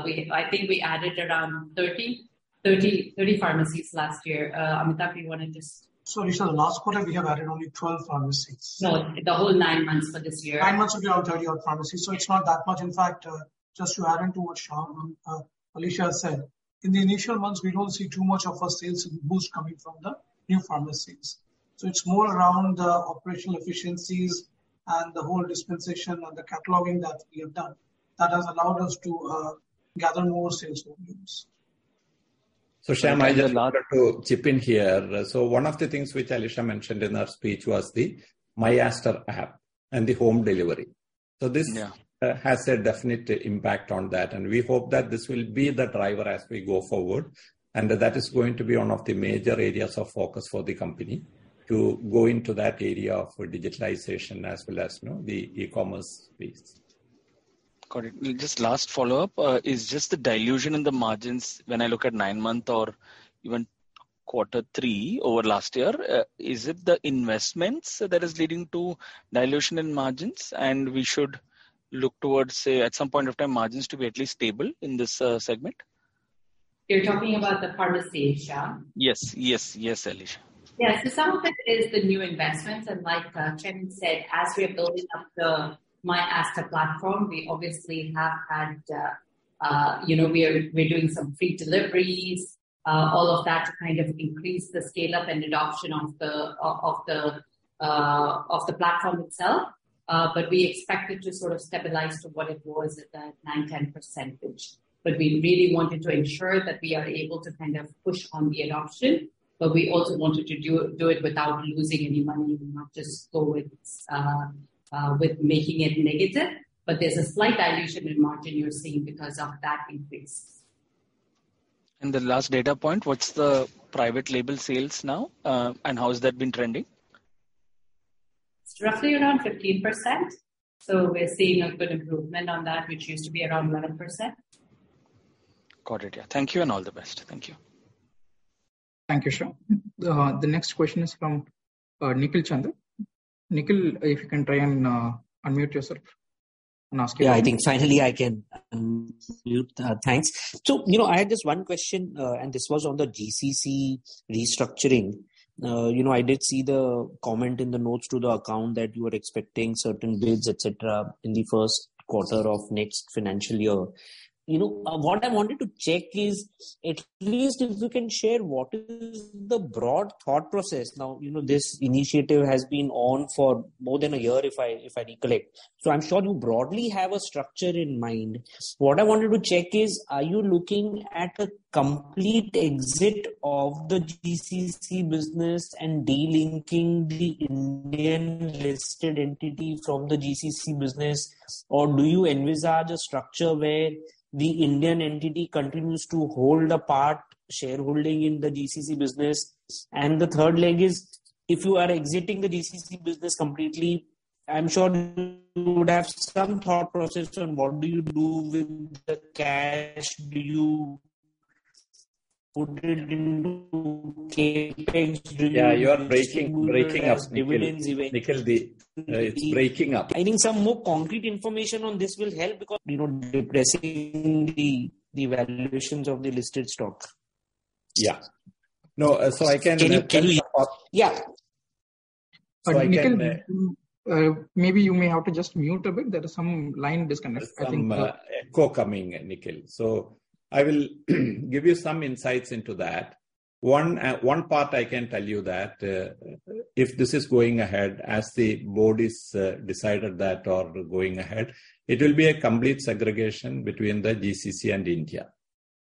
We have, I think we added around 30 pharmacies last year. Amitabh, you wanna just Sorry, the last quarter we have added only 12 pharmacies. No, the whole nine months for this year. Nine months we have 30 odd pharmacies. It's not that much. In fact, just to add on to what Shyam, Alisha said. In the initial months, we don't see too much of a sales boost coming from the new pharmacies. It's more around the operational efficiencies and the whole dispensation and the cataloging that we have done that has allowed us to gather more sales volumes. Shyam, I just wanted to chip in here. One of the things which Alisha mentioned in her speech was the myAster app and the home delivery. Yeah. This has a definite impact on that, and we hope that this will be the driver as we go forward, and that is going to be one of the major areas of focus for the company to go into that area for digitalization as well as, you know, the e-commerce space. Got it. Just last follow-up. Is just the dilution in the margins when I look at nine-month or even quarter three over last year, is it the investments that is leading to dilution in margins and we should look towards, say, at some point of time margins to be at least stable in this segment? You're talking about the pharmacy, Shyam? Yes. Yes, yes, Alisha. Some of it is the new investments, and like Chairman said, as we are building up the myAster platform, we obviously have had, you know, we are, we're doing some free deliveries. All of that to kind of increase the scale-up and adoption of the platform itself. We expect it to sort of stabilize to what it was at the 9, 10%. We really wanted to ensure that we are able to kind of push on the adoption, but we also wanted to do it without losing any money. We will not just go with making it negative. There's a slight dilution in margin you're seeing because of that increase. The last data point, what's the private label sales now? How has that been trending? It's roughly around 15%, so we're seeing a good improvement on that, which used to be around 11%. Got it. Yeah. Thank you and all the best. Thank you. Thank you, Shyam. The next question is from Nikhil Chandra. Nikhil, if you can try and unmute yourself and ask your question. Yeah, I think finally I can mute. Thanks. You know, I had just one question, and this was on the GCC restructuring. You know, I did see the comment in the notes to the account that you were expecting certain bids, et cetera, in the first quarter of next financial year. You know, what I wanted to check is at least if you can share what is the broad thought process. Now, you know, this initiative has been on for more than a year, if I recollect. I'm sure you broadly have a structure in mind. What I wanted to check is, are you looking at a complete exit of the GCC business and de-linking the Indian listed entity from the GCC business? Do you envisage a structure where the Indian entity continues to hold a part shareholding in the GCC business? The third leg is, if you are exiting the GCC business completely, I'm sure you would have some thought process on what do you do with the cash. Do you put it into CapEx? Do you Yeah, you are breaking up, Nikhil. distribute it as dividends even Nikhil, it's breaking up. I think some more concrete information on this will help because, you know, depressing the valuations of the listed stock. Yeah. No, so Can you. Yeah. I can. Nikhil, maybe you may have to just mute a bit. There is some line disconnect, I think. Some echo coming, Nikhil. I will give you some insights into that. One part I can tell you that if this is going ahead, as the board is decided that or going ahead, it will be a complete segregation between the GCC and India.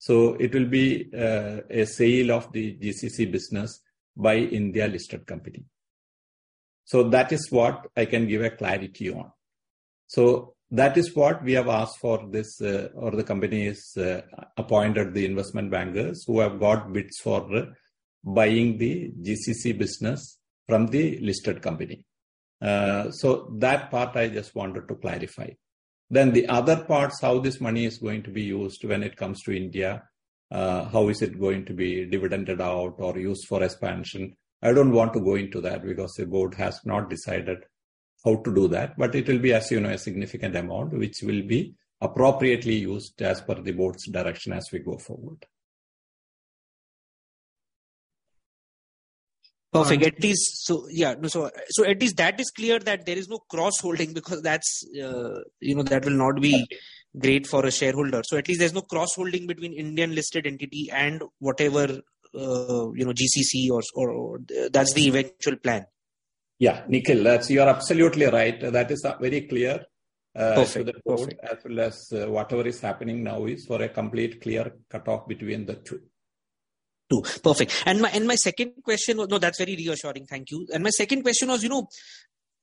It will be a sale of the GCC business by India listed company. That is what I can give a clarity on. That is what we have asked for this, or the company has appointed the investment bankers who have got bids for buying the GCC business from the listed company. That part I just wanted to clarify. The other parts, how this money is going to be used when it comes to India, how is it going to be dividended out or used for expansion? I don't want to go into that because the board has not decided how to do that. It will be, as you know, a significant amount, which will be appropriately used as per the board's direction as we go forward. Perfect. At least. Yeah, no, at least that is clear that there is no cross-holding because that's, you know, that will not be great for a shareholder. At least there's no cross-holding between Indian listed entity and whatever, you know, GCC or that's the eventual plan. Yeah. Nikhil, you're absolutely right. That is very clear. Perfect. to the board, as well as whatever is happening now is for a complete clear cutoff between the two. Two. Perfect. My, my second question... No, that's very reassuring. Thank you. My second question was, you know,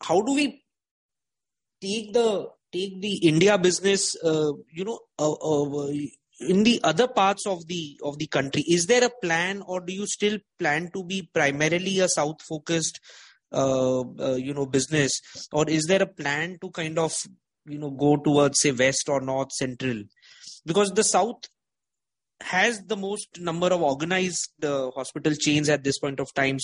how do we take the, take the India business, you know, in the other parts of the country? Is there a plan or do you still plan to be primarily a south-focused, you know, business? Or is there a plan to kind of, you know, go towards, say, west or north, central? The south has the most number of organized hospital chains at this point of time.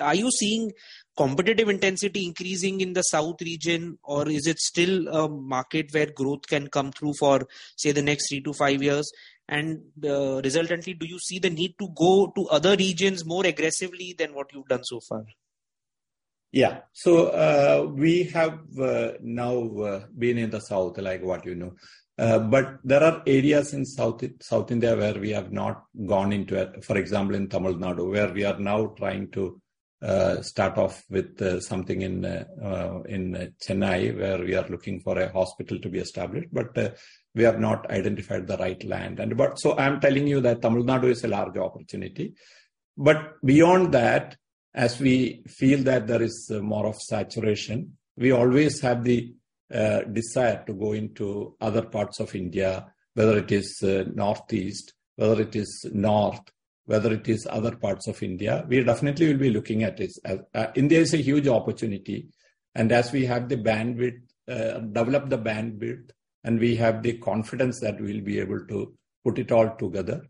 Are you seeing competitive intensity increasing in the south region or is it still a market where growth can come through for, say, the next three to five years? Resultantly, do you see the need to go to other regions more aggressively than what you've done so far? Yeah. We have now been in the south, like what you know. There are areas in South India where we have not gone into it. For example, in Tamil Nadu, where we are now trying to start off with something in Chennai, where we are looking for a hospital to be established, we have not identified the right land. I'm telling you that Tamil Nadu is a large opportunity. Beyond that, as we feel that there is more of saturation, we always have the desire to go into other parts of India, whether it is northeast, whether it is north, whether it is other parts of India. We definitely will be looking at this. India is a huge opportunity, and as we have the bandwidth, develop the bandwidth and we have the confidence that we'll be able to put it all together,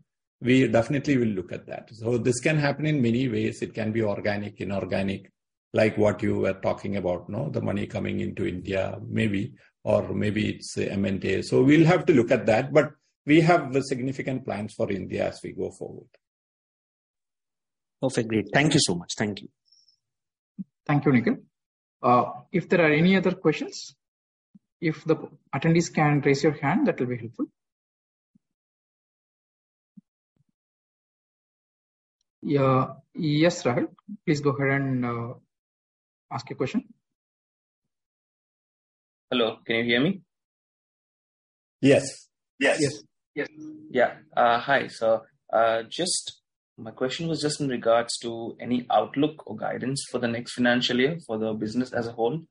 we definitely will look at that. This can happen in many ways. It can be organic, inorganic, like what you were talking about, no? The money coming into India, maybe or maybe it's M&A. We'll have to look at that, but we have significant plans for India as we go forward. Perfect. Great. Thank you so much. Thank you. Thank you, Nikhil. If there are any other questions, if the attendees can raise your hand, that will be helpful. Yes, Rahul, please go ahead and ask your question. Hello. Can you hear me? Yes. Yes. Yes. Yeah. Hi. Just my question was just in regards to any outlook or guidance for the next financial year for the business as a whole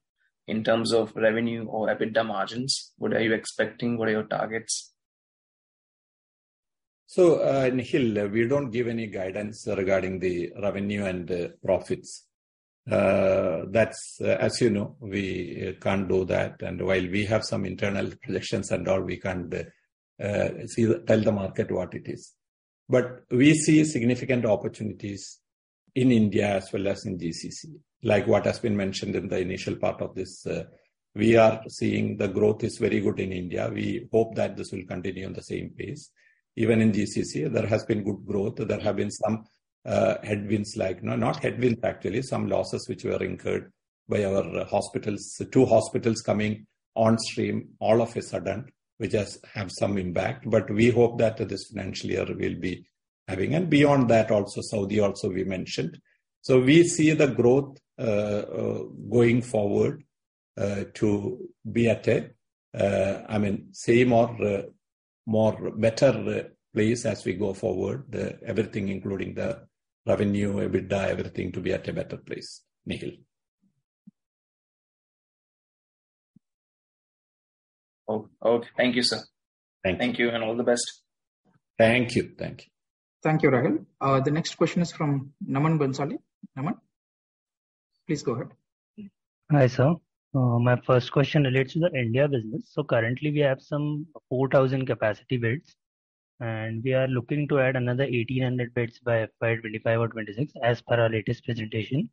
in terms of revenue or EBITDA margins. What are you expecting? What are your targets? Nikhil, we don't give any guidance regarding the revenue and profits. That's, as you know, we can't do that. While we have some internal projections and all, we can't tell the market what it is. We see significant opportunities in India as well as in GCC. Like what has been mentioned in the initial part of this, we are seeing the growth is very good in India. We hope that this will continue on the same pace. Even in GCC, there has been good growth. There have been some, not headwinds, actually, some losses which were incurred by our hospitals. Two hospitals coming on stream all of a sudden, which has have some impact, but we hope that this financial year we'll be having. Beyond that also Saudi we mentioned. We see the growth going forward to be at a, I mean, same or more better place as we go forward. Everything including the revenue, EBITDA, everything to be at a better place, Nikhil. Oh, okay. Thank you, sir. Thank you. Thank you and all the best. Thank you. Thank you. Thank you, Nikhil. The next question is from Naman Bhansali. Naman, please go ahead. Hi, sir. My first question relates to the India business. Currently we have some 4,000 capacity beds, and we are looking to add another 1,800 beds by FY 2025 or 2026 as per our latest presentation.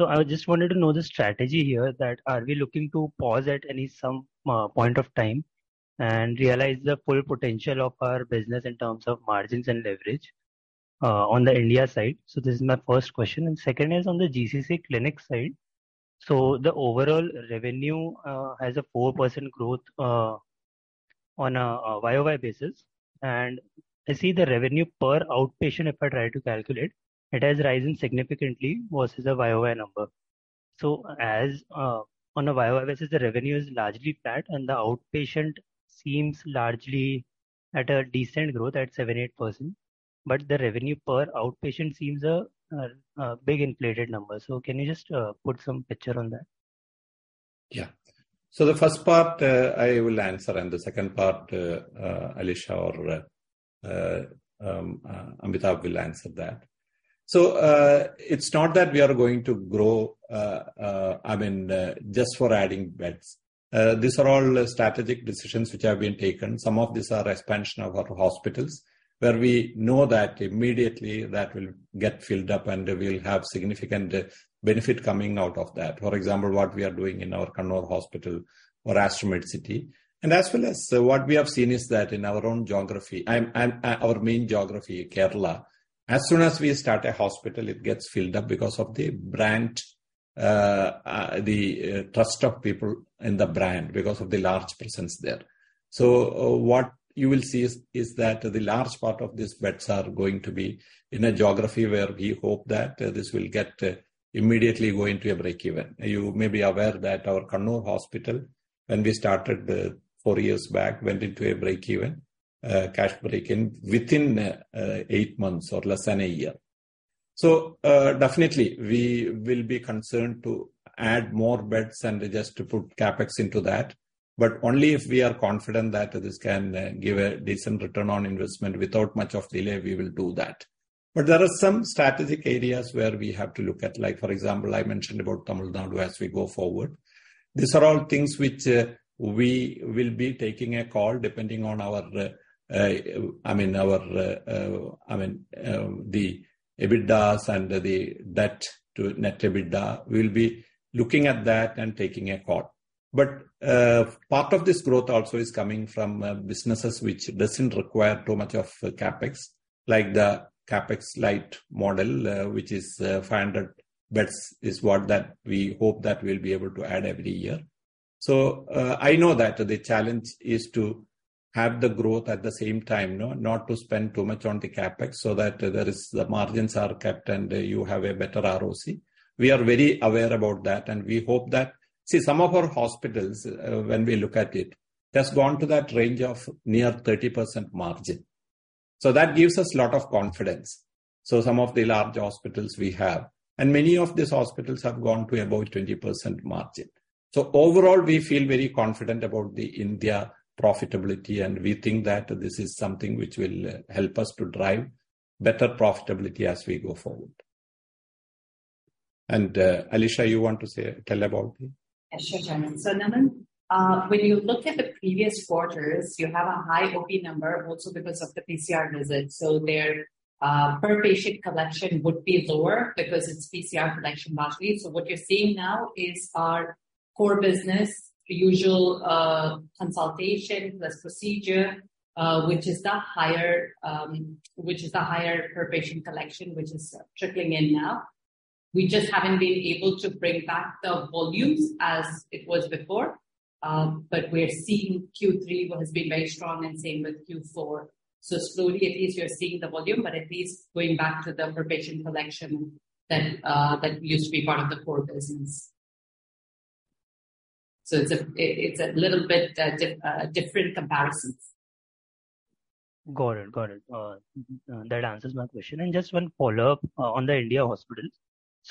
I just wanted to know the strategy here that are we looking to pause at any some point of time and realize the full potential of our business in terms of margins and leverage on the India side? Second is on the GCC clinic side. The overall revenue has a 4% growth on a YOY basis. I see the revenue per outpatient, if I try to calculate, it has risen significantly versus the YOY number. On a YOY basis, the revenue is largely flat. The outpatient seems largely at a decent growth at 7%-8%, but the revenue per outpatient seems a big inflated number. Can you just put some picture on that? Yeah. The first part, I will answer, and the second part, Alisha or Amitabh will answer that. It's not that we are going to grow, I mean, just for adding beds. These are all strategic decisions which have been taken. Some of these are expansion of our hospitals, where we know that immediately that will get filled up, and we'll have significant benefit coming out of that. For example, what we are doing in our Kannur hospital or Aster Medcity. As well as what we have seen is that in our own geography and our main geography, Kerala, as soon as we start a hospital, it gets filled up because of the brand, the trust of people in the brand because of the large presence there. What you will see is that the large part of these beds are going to be in a geography where we hope that this will get immediately going to a break-even. You may be aware that our Kannur hospital, when we started, four years back, went into a break-even, cash break-even within eight months or less than a year. Definitely we will be concerned to add more beds and just to put CapEx into that, but only if we are confident that this can give a decent return on investment. Without much of delay, we will do that. There are some strategic areas where we have to look at. Like for example, I mentioned about Tamil Nadu as we go forward. These are all things which we will be taking a call depending on our EBITDAs and the debt to net EBITDA. We'll be looking at that and taking a call. Part of this growth also is coming from businesses which doesn't require too much of CapEx, like the CapEx light model, which is 500 beds is what that we hope that we'll be able to add every year. I know that the challenge is to have the growth at the same time. Not to spend too much on the CapEx so that there is the margins are kept and you have a better ROC. We are very aware about that, and we hope that... See, some of our hospitals, when we look at it, has gone to that range of near 30% margin. That gives us lot of confidence. Some of the large hospitals we have, and many of these hospitals have gone to about 20% margin. Overall, we feel very confident about the India profitability, and we think that this is something which will help us to drive better profitability as we go forward. Alisha, you want to tell about the- Yeah, sure, Chairman. Naman, when you look at the previous quarters, you have a high OP number also because of the PCR visits. Their per patient collection would be lower because it's PCR collection largely. What you're seeing now is our core business, the usual consultation, the procedure, which is the higher, which is the higher per patient collection, which is trickling in now. We just haven't been able to bring back the volumes as it was before, but we're seeing Q3 has been very strong and same with Q4. Slowly at least you're seeing the volume, but at least going back to the per patient collection that used to be part of the core business. It's a, it's a little bit different comparison. Got it. Got it. That answers my question. Just one follow-up on the India hospitals.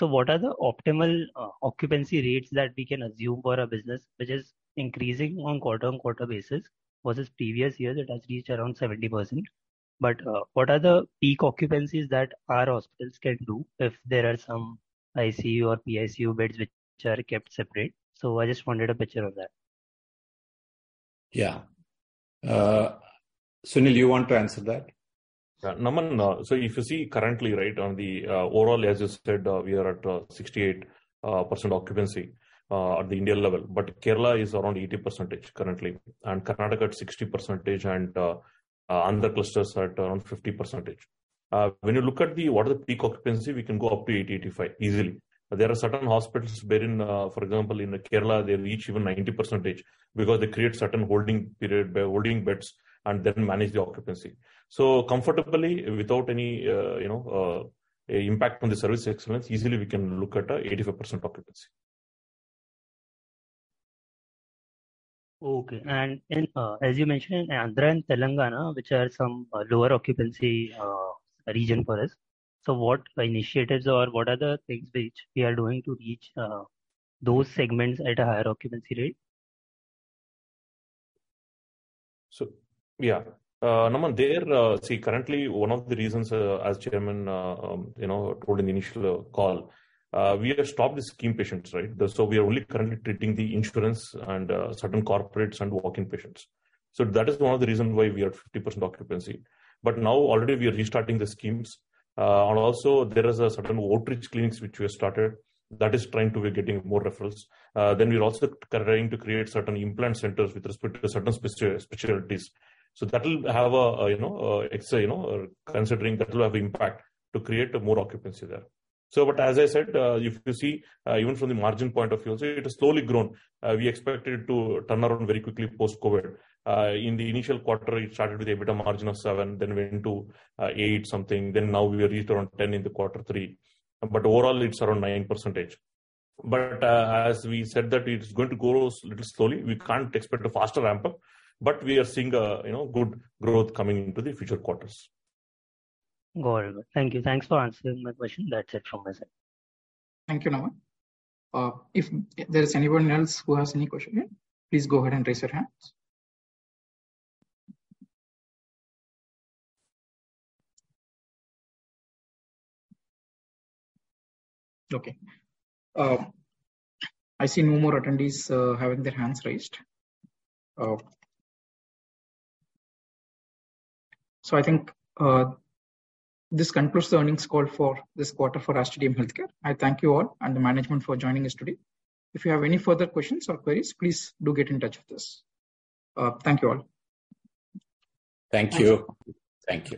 What are the optimal occupancy rates that we can assume for our business, which is increasing on quarter-on-quarter basis versus previous year that has reached around 70%. What are the peak occupancies that our hospitals can do if there are some ICU or PICU beds which are kept separate? I just wanted a picture on that. Yeah. Sunil, you want to answer that? Yeah. Naman, if you see currently, right, on the overall, as you said, we are at 68% occupancy at the India level. Kerala is around 80% currently, and Karnataka at 60% and Andhra clusters are at around 50%. When you look at the what are the peak occupancy, we can go up to 80-85 easily. There are certain hospitals wherein, for example, in Kerala, they reach even 90% because they create certain holding period by holding beds and then manage the occupancy. Comfortably, without any, you know, impact on the service excellence, easily we can look at 85% occupancy. Okay. As you mentioned, Andhra and Telangana, which are some lower occupancy, region for us. What initiatives or what are the things which we are doing to reach, those segments at a higher occupancy rate? Yeah. Naman, there, see currently one of the reasons, as Chairman, you know, told in the initial call, we have stopped the scheme patients, right? That is one of the reasons why we are at 50% occupancy. Now already we are restarting the schemes. Also there is a certain outreach clinics which we have started that is trying to be getting more referrals. We are also trying to create certain implant centers with respect to certain specialties. That will have, you know, it's a, you know, considering that will have impact to create a more occupancy there. As I said, if you see, even from the margin point of view, see it is slowly grown. We expect it to turn around very quickly post-COVID. In the initial quarter, it started with EBITDA margin of 7%, then went to, eight something. Now we have reached around 10% in the Q3. Overall it's around 9%. As we said that it's going to grow little slowly. We can't expect a faster ramp-up, but we are seeing a, you know, good growth coming into the future quarters. Got it. Thank you. Thanks for answering my question. That's it from my side. Thank you, Naman. If there is anyone else who has any question, please go ahead and raise your hands. Okay. I see no more attendees, having their hands raised. I think, this concludes the earnings call for this quarter for Aster DM Healthcare. I thank you all and the management for joining us today. If you have any further questions or queries, please do get in touch with us. Thank you all. Thank you. Thank you.